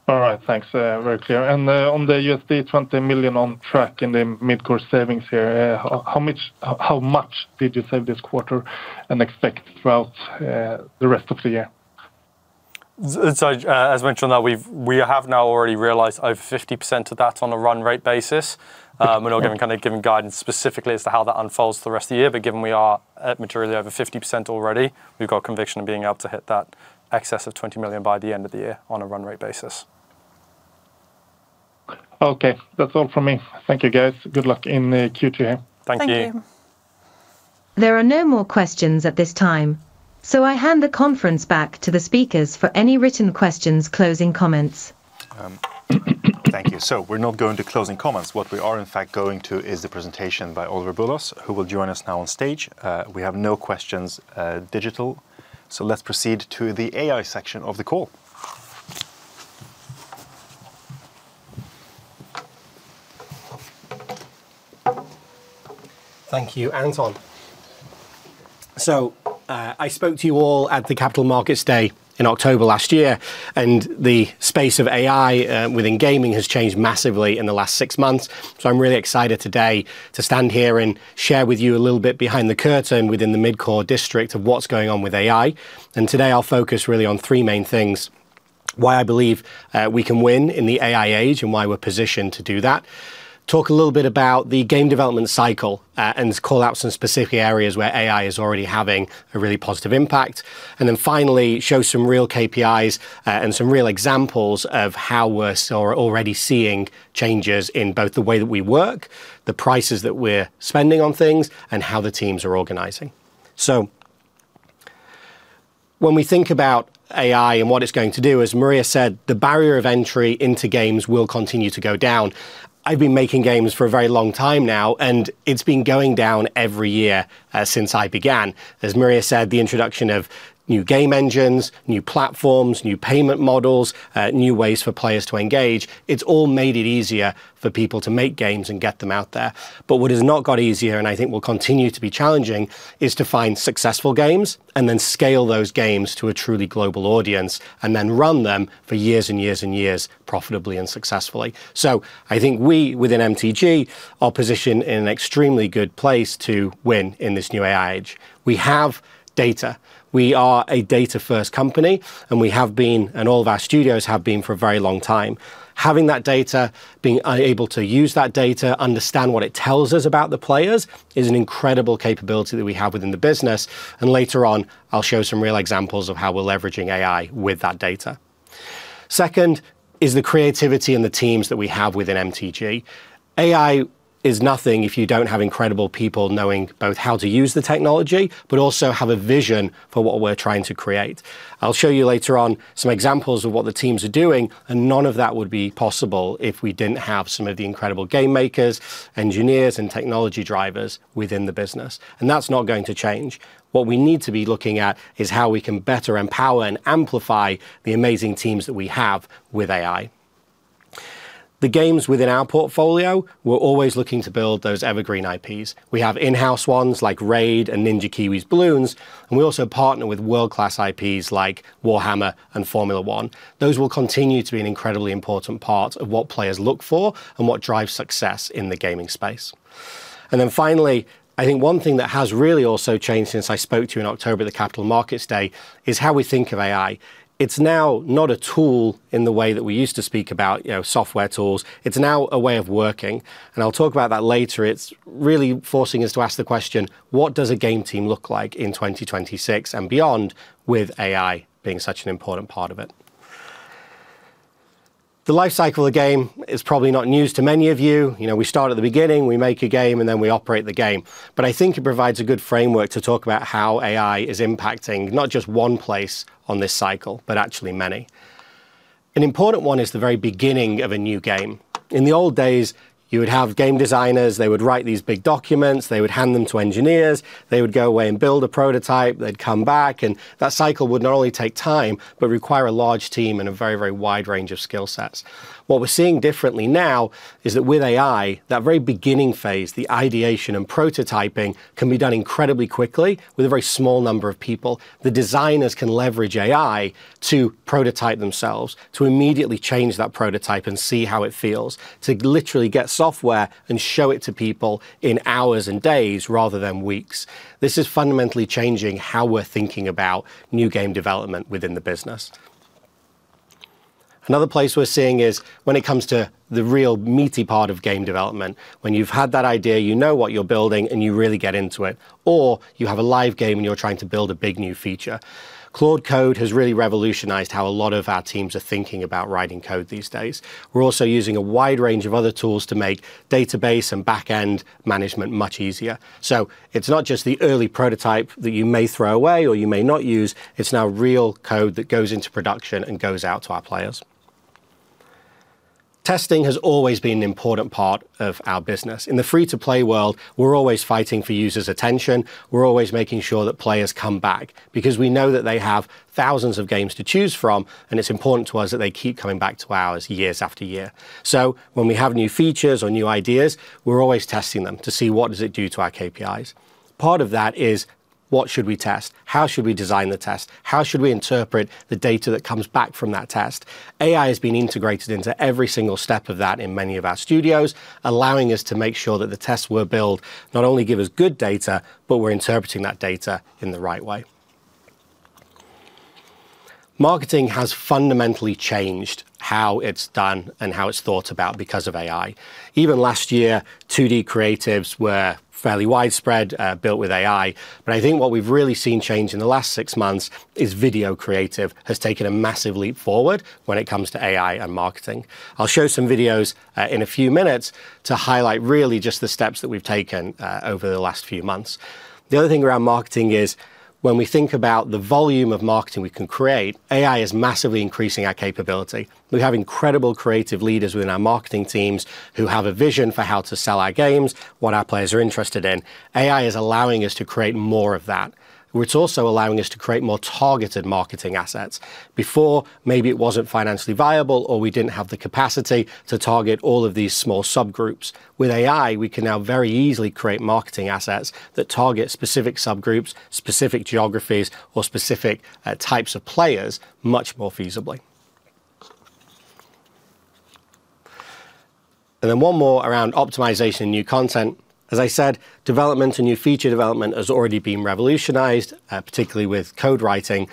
All right. Thanks. Very clear. On the $20 million on track in the Midcore savings here, how much did you save this quarter and expect throughout the rest of the year? As mentioned, we have now already realized over 50% of that on a run rate basis. We're not giving guidance specifically as to how that unfolds for the rest of the year. Given we are at materially over 50% already, we've got conviction of being able to hit that excess of $20 million by the end of the year on a run rate basis. Okay. That's all from me. Thank you, guys. Good luck in Q3. Thank you. Thank you. There are no more questions at this time, so I hand the conference back to the speakers for any written questions, closing comments. Thank you. We're not going to closing comments. What we are in fact going to is the presentation by Oliver Bulloss, who will join us now on stage. We have no questions, digital, so let's proceed to the AI section of the call. Thank you, Anton. I spoke to you all at the Capital Markets Day in October last year, and the space of AI within gaming has changed massively in the last six months. I'm really excited today to stand here and share with you a little bit behind the curtain within the Midcore District of what's going on with AI. Today I'll focus really on three main things: why I believe we can win in the AI age and why we're positioned to do that. Talk a little bit about the game development cycle, and call out some specific areas where AI is already having a really positive impact. Finally, show some real KPIs and some real examples of how we're already seeing changes in both the way that we work, the prices that we're spending on things, and how the teams are organizing. When we think about AI and what it's going to do, as Maria said, the barrier of entry into games will continue to go down. I've been making games for a very long time now, and it's been going down every year since I began. As Maria said, the introduction of new game engines, new platforms, new payment models, new ways for players to engage, it's all made it easier for people to make games and get them out there. What has not got easier, and I think will continue to be challenging, is to find successful games and then scale those games to a truly global audience, and then run them for years and years and years profitably and successfully. I think we, within MTG, are positioned in an extremely good place to win in this new AI age. We have data. We are a data-first company, and we have been, and all of our studios have been for a very long time. Having that data, being able to use that data, understand what it tells us about the players, is an incredible capability that we have within the business, and later on, I'll show some real examples of how we're leveraging AI with that data. Second is the creativity and the teams that we have within MTG. AI is nothing if you don't have incredible people knowing both how to use the technology, but also have a vision for what we're trying to create. I'll show you later on some examples of what the teams are doing, and none of that would be possible if we didn't have some of the incredible game makers, engineers, and technology drivers within the business, and that's not going to change. What we need to be looking at is how we can better empower and amplify the amazing teams that we have with AI. The games within our portfolio, we're always looking to build those evergreen IPs. We have in-house ones like RAID and Ninja Kiwi's Bloons, and we also partner with world-class IPs like Warhammer and Formula 1. Those will continue to be an incredibly important part of what players look for and what drives success in the gaming space. Finally, I think one thing that has really also changed since I spoke to you in October at the Capital Markets Day is how we think of AI. It's now not a tool in the way that we used to speak about, you know, software tools. It's now a way of working, and I'll talk about that later. It's really forcing us to ask the question: What does a game team look like in 2026 and beyond with AI being such an important part of it? The life cycle of game is probably not news to many of you. You know, we start at the beginning, we make a game, and then we operate the game. I think it provides a good framework to talk about how AI is impacting not just one place on this cycle, but actually many. An important one is the very beginning of a new game. In the old days, you would have game designers, they would write these big documents, they would hand them to engineers, they would go away and build a prototype, they'd come back. That cycle would not only take time, but require a large team and a very, very wide range of skill sets. What we're seeing differently now is that with AI, that very beginning phase, the ideation and prototyping, can be done incredibly quickly with a very small number of people. The designers can leverage AI to prototype themselves, to immediately change that prototype and see how it feels, to literally get software and show it to people in hours and days rather than weeks. This is fundamentally changing how we're thinking about new game development within the business. Another place we're seeing is when it comes to the real meaty part of game development, when you've had that idea, you know what you're building, and you really get into it, or you have a live game and you're trying to build a big new feature. Cloud Code has really revolutionized how a lot of our teams are thinking about writing code these days. We're also using a wide range of other tools to make database and back-end management much easier. It's not just the early prototype that you may throw away or you may not use. It's now real code that goes into production and goes out to our players. Testing has always been an important part of our business. In the free-to-play world, we're always fighting for users' attention. We're always making sure that players come back because we know that they have thousands of games to choose from, and it's important to us that they keep coming back to ours years after year. When we have new features or new ideas, we're always testing them to see what does it do to our KPIs. Part of that is, what should we test? How should we design the test? How should we interpret the data that comes back from that test? AI has been integrated into every single step of that in many of our studios, allowing us to make sure that the tests we build not only give us good data, but we're interpreting that data in the right way. Marketing has fundamentally changed how it's done and how it's thought about because of AI. Even last year, 2D creatives were fairly widespread, built with AI. I think what we've really seen change in the last six months is video creative has taken a massive leap forward when it comes to AI and marketing. I'll show some videos in a few minutes to highlight really just the steps that we've taken over the last few months. The other thing around marketing is when we think about the volume of marketing we can create, AI is massively increasing our capability. We have incredible creative leaders within our marketing teams who have a vision for how to sell our games, what our players are interested in. AI is allowing us to create more of that. It's also allowing us to create more targeted marketing assets. Before, maybe it wasn't financially viable or we didn't have the capacity to target all of these small subgroups. With AI, we can now very easily create marketing assets that target specific subgroups, specific geographies, or specific types of players much more feasibly. One more around optimization and new content. As I said, development and new feature development has already been revolutionized, particularly with code writing.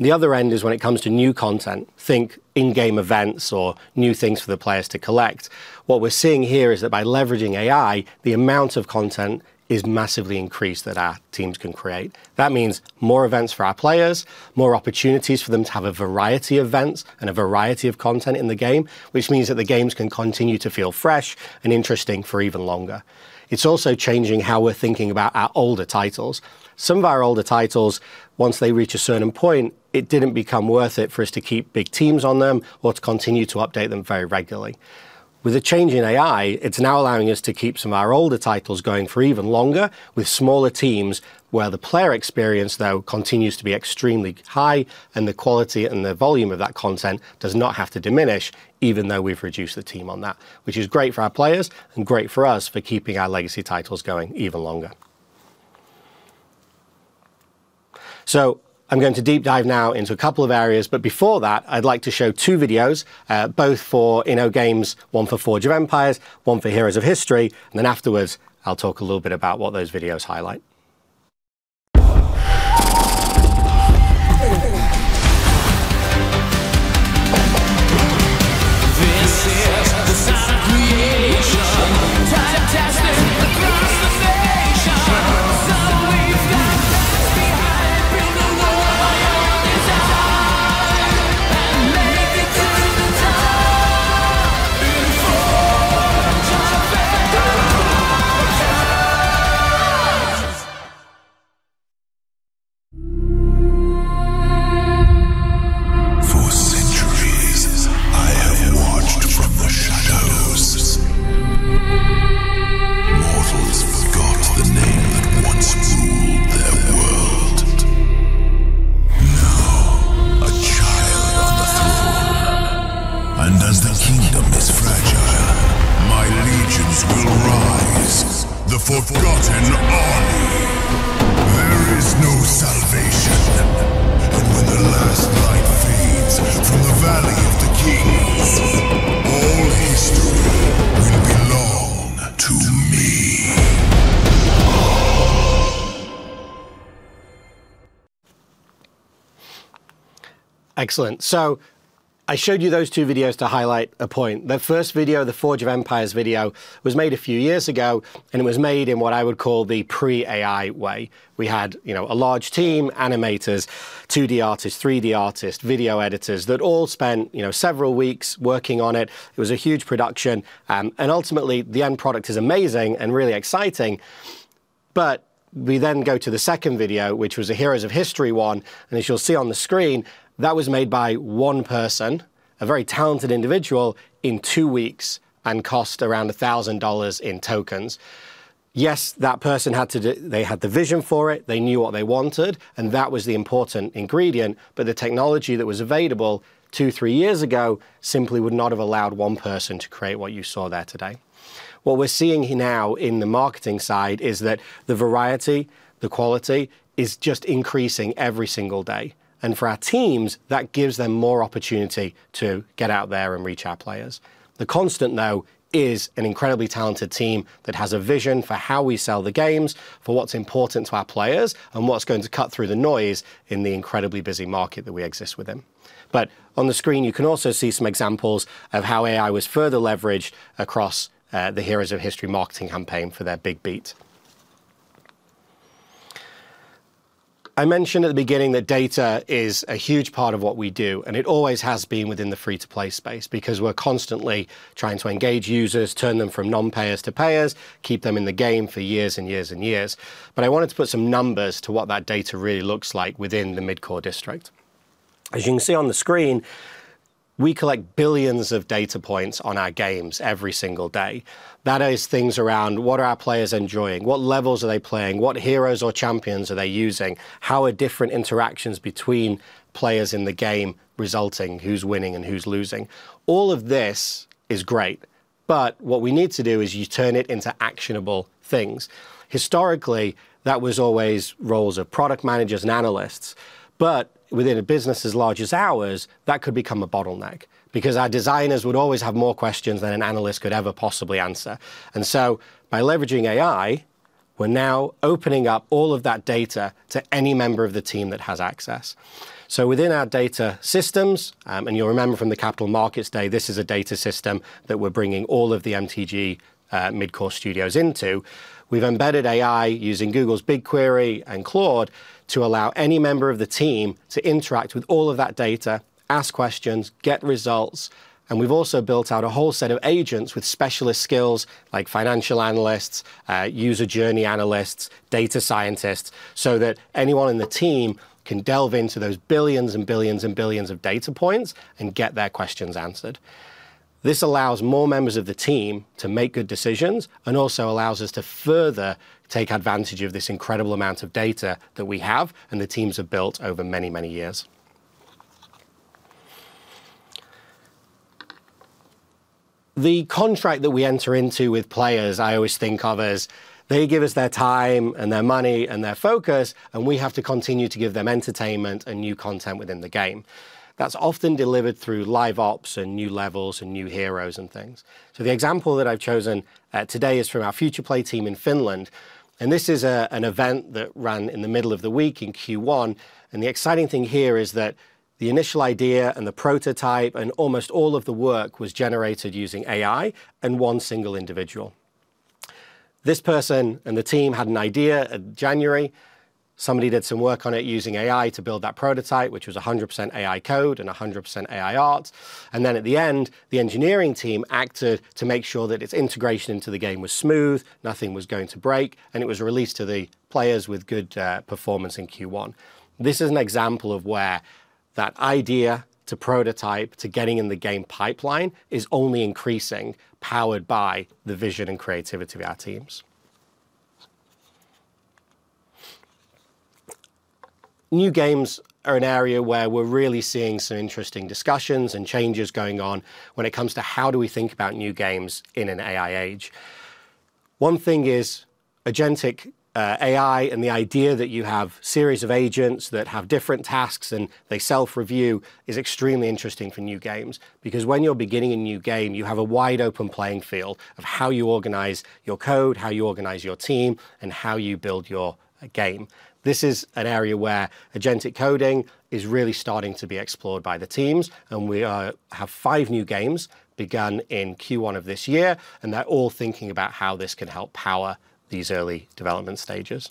The other end is when it comes to new content, think in-game events or new things for the players to collect. What we're seeing here is that by leveraging AI, the amount of content is massively increased that our teams can create. That means more events for our players, more opportunities for them to have a variety of events and a variety of content in the game, which means that the games can continue to feel fresh and interesting for even longer. It is also changing how we are thinking about our older titles. Some of our older titles, once they reach a certain point, it did not become worth it for us to keep big teams on them or to continue to update them very regularly. With the change in AI, it's now allowing us to keep some of our older titles going for even longer with smaller teams where the player experience though continues to be extremely high and the quality and the volume of that content does not have to diminish even though we've reduced the team on that, which is great for our players and great for us for keeping our legacy titles going even longer. I'm going to deep dive now into a couple of areas. Before that, I'd like to show two videos, both for InnoGames, one for Forge of Empires, one for Heroes of History. Afterwards, I'll talk a little bit about what those videos highlight. Build an empire that can't die and make it to the top before time fades us. For centuries, I have watched from the shadows. Mortals forgot the name that once ruled their world. Now, a child on the throne. As their kingdom is fragile, my legions will rise, the forgotten army. There is no salvation. When the last light fades from the Valley of the Kings, all history will belong to me. Excellent. I showed you those two videos to highlight a point. The first video, the Forge of Empires video, was made a few years ago, and it was made in what I would call the pre-AI way. We had, you know, a large team, animators, 2D artists, 3D artists, video editors that all spent, you know, several weeks working on it. It was a huge production. Ultimately, the end product is amazing and really exciting. We then go to the second video, which was a Heroes of History one. As you'll see on the screen, that was made by one person, a very talented individual, in two weeks and cost around $1,000 in tokens. Yes, that person had to they had the vision for it. They knew what they wanted, and that was the important ingredient. The technology that was available two, three years ago simply would not have allowed one person to create what you saw there today. What we're seeing now in the marketing side is that the variety, the quality is just increasing every single day. For our teams, that gives them more opportunity to get out there and reach our players. The constant, though, is an incredibly talented team that has a vision for how we sell the games, for what's important to our players, and what's going to cut through the noise in the incredibly busy market that we exist within. On the screen, you can also see some examples of how AI was further leveraged across the Heroes of History marketing campaign for their big beat. I mentioned at the beginning that data is a huge part of what we do, and it always has been within the free-to-play space because we're constantly trying to engage users, turn them from non-payers to payers, keep them in the game for years and years and years. I wanted to put some numbers to what that data really looks like within the Midcore District. As you can see on the screen, we collect billions of data points on our games every single day. That is things around what are our players enjoying, what levels are they playing, what heroes or champions are they using, how are different interactions between players in the game resulting, who's winning and who's losing. All of this is great, but what we need to do is you turn it into actionable things. Historically, that was always roles of product managers and analysts. Within a business as large as ours, that could become a bottleneck because our designers would always have more questions than an analyst could ever possibly answer. By leveraging AI, we're now opening up all of that data to any member of the team that has access. Within our data systems, and you'll remember from the Capital Markets Day, this is a data system that we're bringing all of the MTG Midcore District into. We've embedded AI using Google's BigQuery and Claude to allow any member of the team to interact with all of that data, ask questions, get results. We've also built out a whole set of agents with specialist skills like financial analysts, user journey analysts, data scientists, so that anyone in the team can delve into those billions and billions and billions of data points and get their questions answered. This allows more members of the team to make good decisions and also allows us to further take advantage of this incredible amount of data that we have and the teams have built over many, many years. The contract that we enter into with players, I always think of as they give us their time and their money and their focus, and we have to continue to give them entertainment and new content within the game. That's often delivered through live ops and new levels and new heroes and things. The example that I've chosen today is from our Futureplay team in Finland, and this is an event that ran in the middle of the week in Q1. The exciting thing here is that the initial idea and the prototype and almost all of the work was generated using AI and one single individual. This person and the team had an idea in January. Somebody did some work on it using AI to build that prototype, which was 100% AI code and 100% AI art. Then at the end, the engineering team acted to make sure that its integration into the game was smooth, nothing was going to break, and it was released to the players with good performance in Q1. This is an example of where that idea to prototype to getting in the game pipeline is only increasing, powered by the vision and creativity of our teams. New games are an area where we're really seeing some interesting discussions and changes going on when it comes to how do we think about new games in an AI age. One thing is agentic AI and the idea that you have series of agents that have different tasks and they self-review is extremely interesting for new games. Because when you're beginning a new game, you have a wide-open playing field of how you organize your code, how you organize your team, and how you build your game. This is an area where agentic coding is really starting to be explored by the teams, we have five new games begun in Q1 of this year, and they're all thinking about how this can help power these early development stages.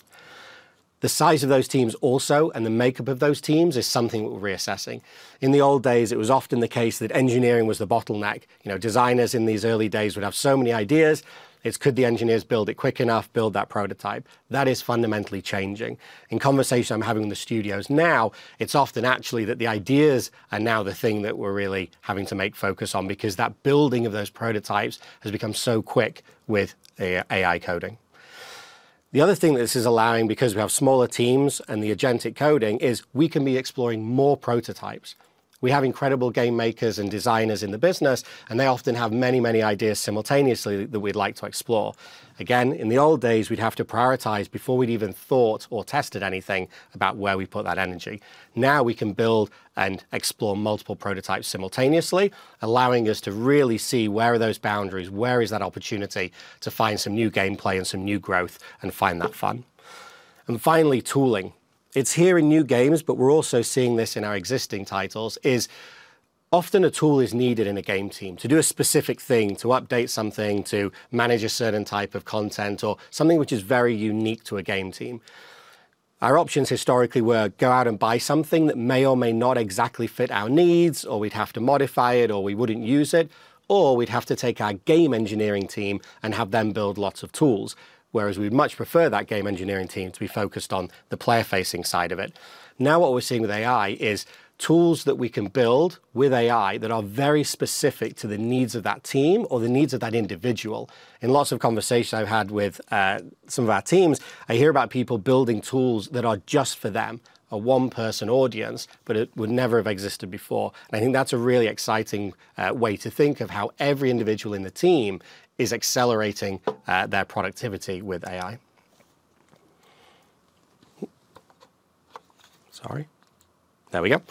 The size of those teams also, the makeup of those teams, is something we're reassessing. In the old days, it was often the case that engineering was the bottleneck. You know, designers in these early days would have so many ideas. It's could the engineers build it quick enough, build that prototype. That is fundamentally changing. In conversation I'm having in the studios now, it's often actually that the ideas are now the thing that we're really having to make focus on because that building of those prototypes has become so quick with AI coding. The other thing this is allowing, because we have smaller teams and the agentic coding, is we can be exploring more prototypes. We have incredible game makers and designers in the business, and they often have many, many ideas simultaneously that we'd like to explore. Again, in the old days, we'd have to prioritize before we'd even thought or tested anything about where we put that energy. Now we can build and explore multiple prototypes simultaneously, allowing us to really see where are those boundaries, where is that opportunity to find some new gameplay and some new growth and find that fun. Finally, tooling. It's here in new games, but we're also seeing this in our existing titles, is often a tool is needed in a game team to do a specific thing, to update something, to manage a certain type of content or something which is very unique to a game team. Our options historically were go out and buy something that may or may not exactly fit our needs, or we'd have to modify it or we wouldn't use it, or we'd have to take our game engineering team and have them build lots of tools, whereas we'd much prefer that game engineering team to be focused on the player-facing side of it. Now what we're seeing with AI is tools that we can build with AI that are very specific to the needs of that team or the needs of that individual. In lots of conversations I've had with some of our teams, I hear about people building tools that are just for them, a one-person audience, but it would never have existed before. I think that's a really exciting way to think of how every individual in the team is accelerating their productivity with AI. Sorry. There we go.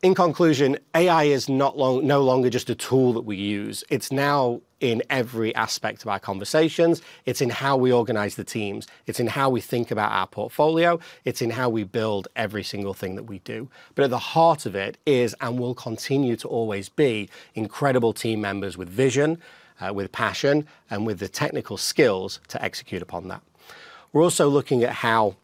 In conclusion, AI is no longer just a tool that we use. It's now in every aspect of our conversations. It's in how we organize the teams. It's in how we think about our portfolio. It's in how we build every single thing that we do. At the heart of it is, and will continue to always be, incredible team members with vision, with passion, and with the technical skills to execute upon that. We're also looking at how,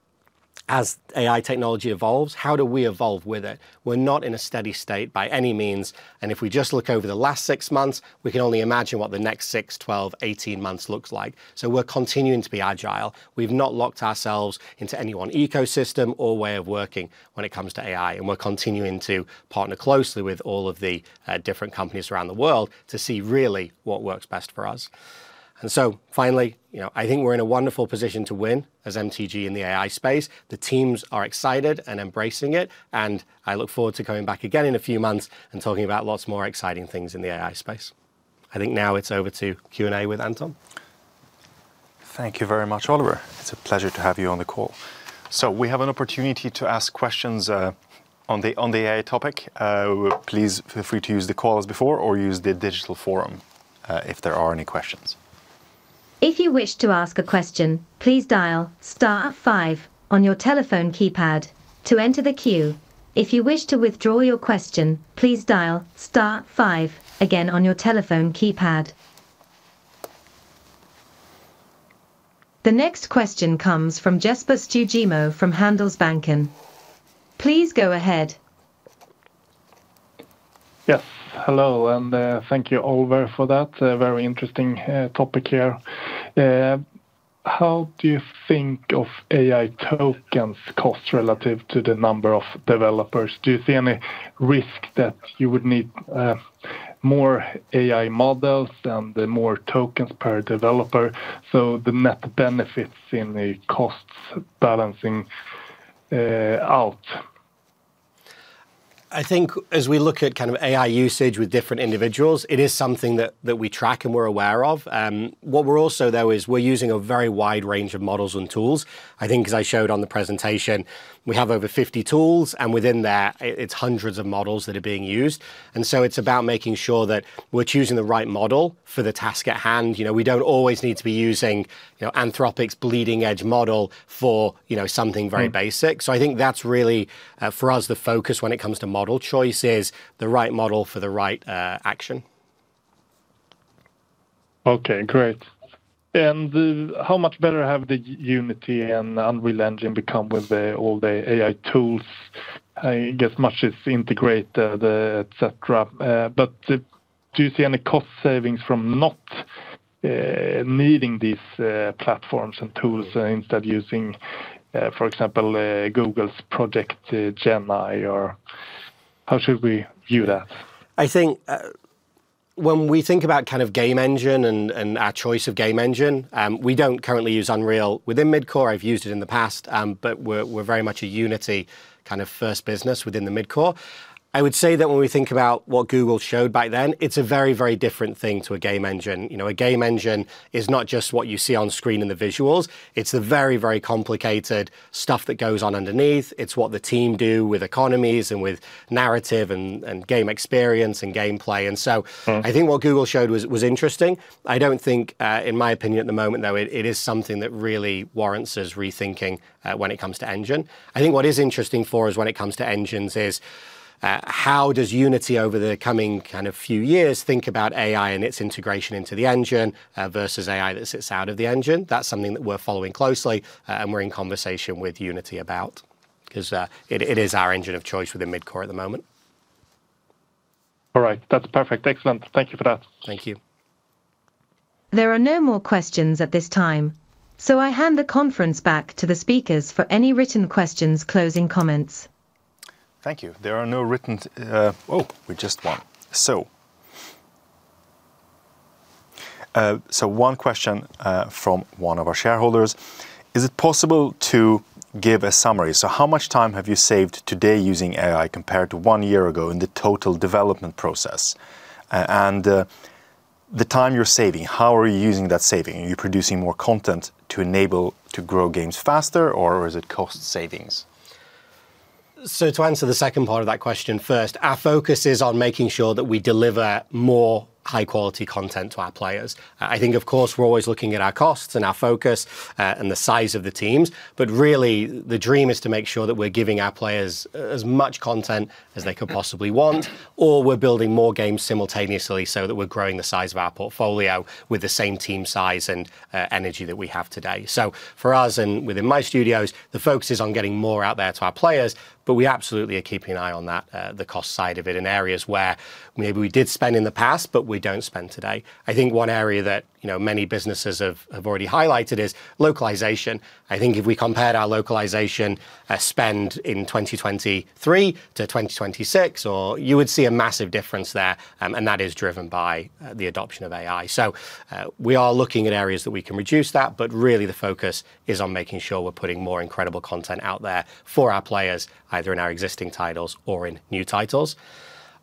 as AI technology evolves, how do we evolve with it? We're not in a steady state by any means, and if we just look over the last six months, we can only imagine what the next six, twelve, eighteen months looks like. We're continuing to be agile. We've not locked ourselves into any one ecosystem or way of working when it comes to AI, and we're continuing to partner closely with all of the different companies around the world to see really what works best for us. Finally, you know, I think we're in a wonderful position to win as MTG in the AI space. The teams are excited and embracing it, and I look forward to coming back again in a few months and talking about lots more exciting things in the AI space. I think now it's over to Q&A with Anton. Thank you very much, Oliver. It's a pleasure to have you on the call. We have an opportunity to ask questions on the AI topic. Please feel free to use the call as before or use the digital forum if there are any questions. If you wish to ask a question, please dial star five on your telephone keypad. To enter the queue, if you wish to withdraw your question, please dial star five again on your telephone keypad. The next question comes from Jesper Stugemo from Handelsbanken. Please go ahead. Hello, thank you, Oliver, for that very interesting topic here. How do you think of AI tokens cost relative to the number of developers? Do you see any risk that you would need more AI models and the more tokens per developer, so the net benefits in the costs balancing out? I think as we look at kind of AI usage with different individuals, it is something that we track and we're aware of. What we're also, though, is we're using a very wide range of models and tools. I think as I showed on the presentation, we have over 50 tools, and within that, it's hundreds of models that are being used. It's about making sure that we're choosing the right model for the task at hand. You know, we don't always need to be using, you know, Anthropic's bleeding-edge model for, you know, something very basic. I think that's really for us, the focus when it comes to model choice is the right model for the right action. Okay. Great. How much better have the Unity and Unreal Engine become with the, all the AI tools, I guess, much it integrate the et cetera. Do you see any cost savings from not needing these platforms and tools instead using, for example, Google's Project, Gemini, or how should we view that? I think, when we think about kind of game engine and our choice of game engine, we don't currently use Unreal within Midcore. I've used it in the past, we're very much a Unity kind of first business within the Midcore. I would say that when we think about what Google showed back then, it's a very, very different thing to a game engine. You know, a game engine is not just what you see on screen in the visuals. It's the very, very complicated stuff that goes on underneath. It's what the team do with economies and with narrative and game experience and gameplay. I think what Google showed was interesting. I don't think, in my opinion at the moment, though, it is something that really warrants us rethinking when it comes to engine. I think what is interesting for us when it comes to engines is how does Unity over the coming kind of few years think about AI and its integration into the engine versus AI that sits out of the engine? That's something that we're following closely, and we're in conversation with Unity about, 'cause it is our engine of choice within Midcore at the moment. All right. That's perfect. Excellent. Thank you for that. Thank you. There are no more questions at this time, so I hand the conference back to the speakers for any written questions, closing comments. Thank you. There are no written. Oh, we just one. One question from one of our shareholders. Is it possible to give a summary, so how much time have you saved today using AI compared to one year ago in the total development process? The time you're saving, how are you using that saving? Are you producing more content to enable to grow games faster, or is it cost savings? To answer the second part of that question first, our focus is on making sure that we deliver more high-quality content to our players. I think, of course, we're always looking at our costs and our focus, and the size of the teams, but really the dream is to make sure that we're giving our players as much content as they could possibly want, or we're building more games simultaneously so that we're growing the size of our portfolio with the same team size and energy that we have today. For us, and within my studios, the focus is on getting more out there to our players, but we absolutely are keeping an eye on that, the cost side of it in areas where maybe we did spend in the past, but we don't spend today. I think one area that, you know, many businesses have already highlighted is localization. I think if we compared our localization spend in 2023 to 2026, you would see a massive difference there, and that is driven by the adoption of AI. We are looking at areas that we can reduce that, but really the focus is on making sure we're putting more incredible content out there for our players, either in our existing titles or in new titles.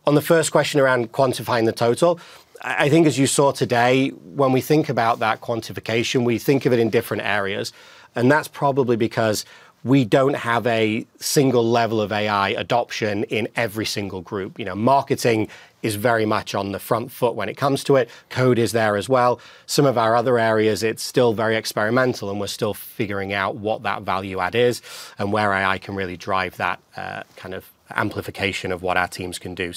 On the first question around quantifying the total, I think as you saw today, when we think about that quantification, we think of it in different areas, and that's probably because we don't have a single level of AI adoption in every single group. You know, marketing is very much on the front foot when it comes to it. Code is there as well. Some of our other areas, it's still very experimental, and we're still figuring out what that value add is and where AI can really drive that kind of amplification of what our teams can do.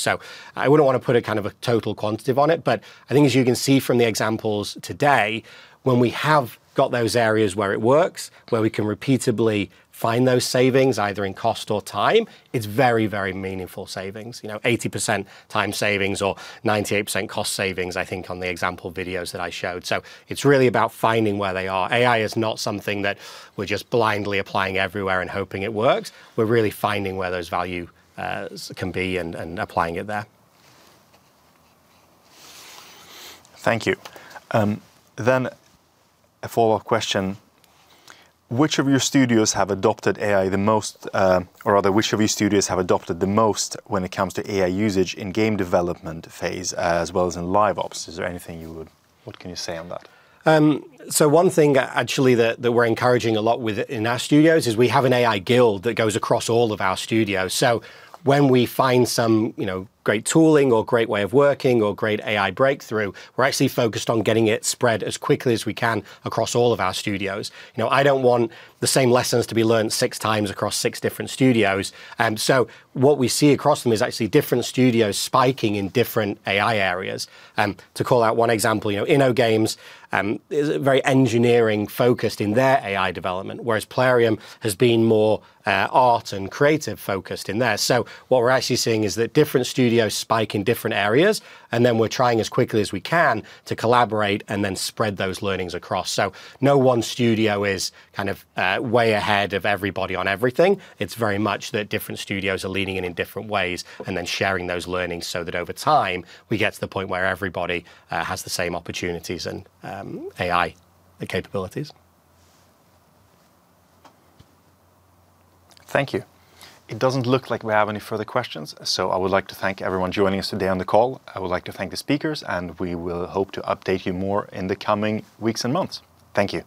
I wouldn't wanna put a kind of a total quantitative on it, but I think as you can see from the examples today, when we have got those areas where it works, where we can repeatably find those savings, either in cost or time, it's very, very meaningful savings. You know, 80% time savings or 98% cost savings, I think, on the example videos that I showed. It's really about finding where they are. AI is not something that we're just blindly applying everywhere and hoping it works. We're really finding where those value can be and applying it there. Thank you. A follow-up question. Which of your studios have adopted AI the most, or rather which of your studios have adopted the most when it comes to AI usage in game development phase as well as in live ops? What can you say on that? One thing actually that we're encouraging a lot in our studios is we have an AI guild that goes across all of our studios. When we find some, you know, great tooling or great way of working or great AI breakthrough, we're actually focused on getting it spread as quickly as we can across all of our studios. You know, I don't want the same lessons to be learned 6x across six different studios. What we see across them is actually different studios spiking in different AI areas. To call out one example, you know, InnoGames is very engineering-focused in their AI development, whereas Plarium has been more art and creative-focused in theirs. What we're actually seeing is that different studios spike in different areas, and then we're trying as quickly as we can to collaborate and then spread those learnings across. No one studio is kind of way ahead of everybody on everything. It's very much that different studios are leaning in in different ways and then sharing those learnings so that over time we get to the point where everybody has the same opportunities and AI capabilities. Thank you. It doesn't look like we have any further questions. I would like to thank everyone joining us today on the call. I would like to thank the speakers. We will hope to update you more in the coming weeks and months. Thank you.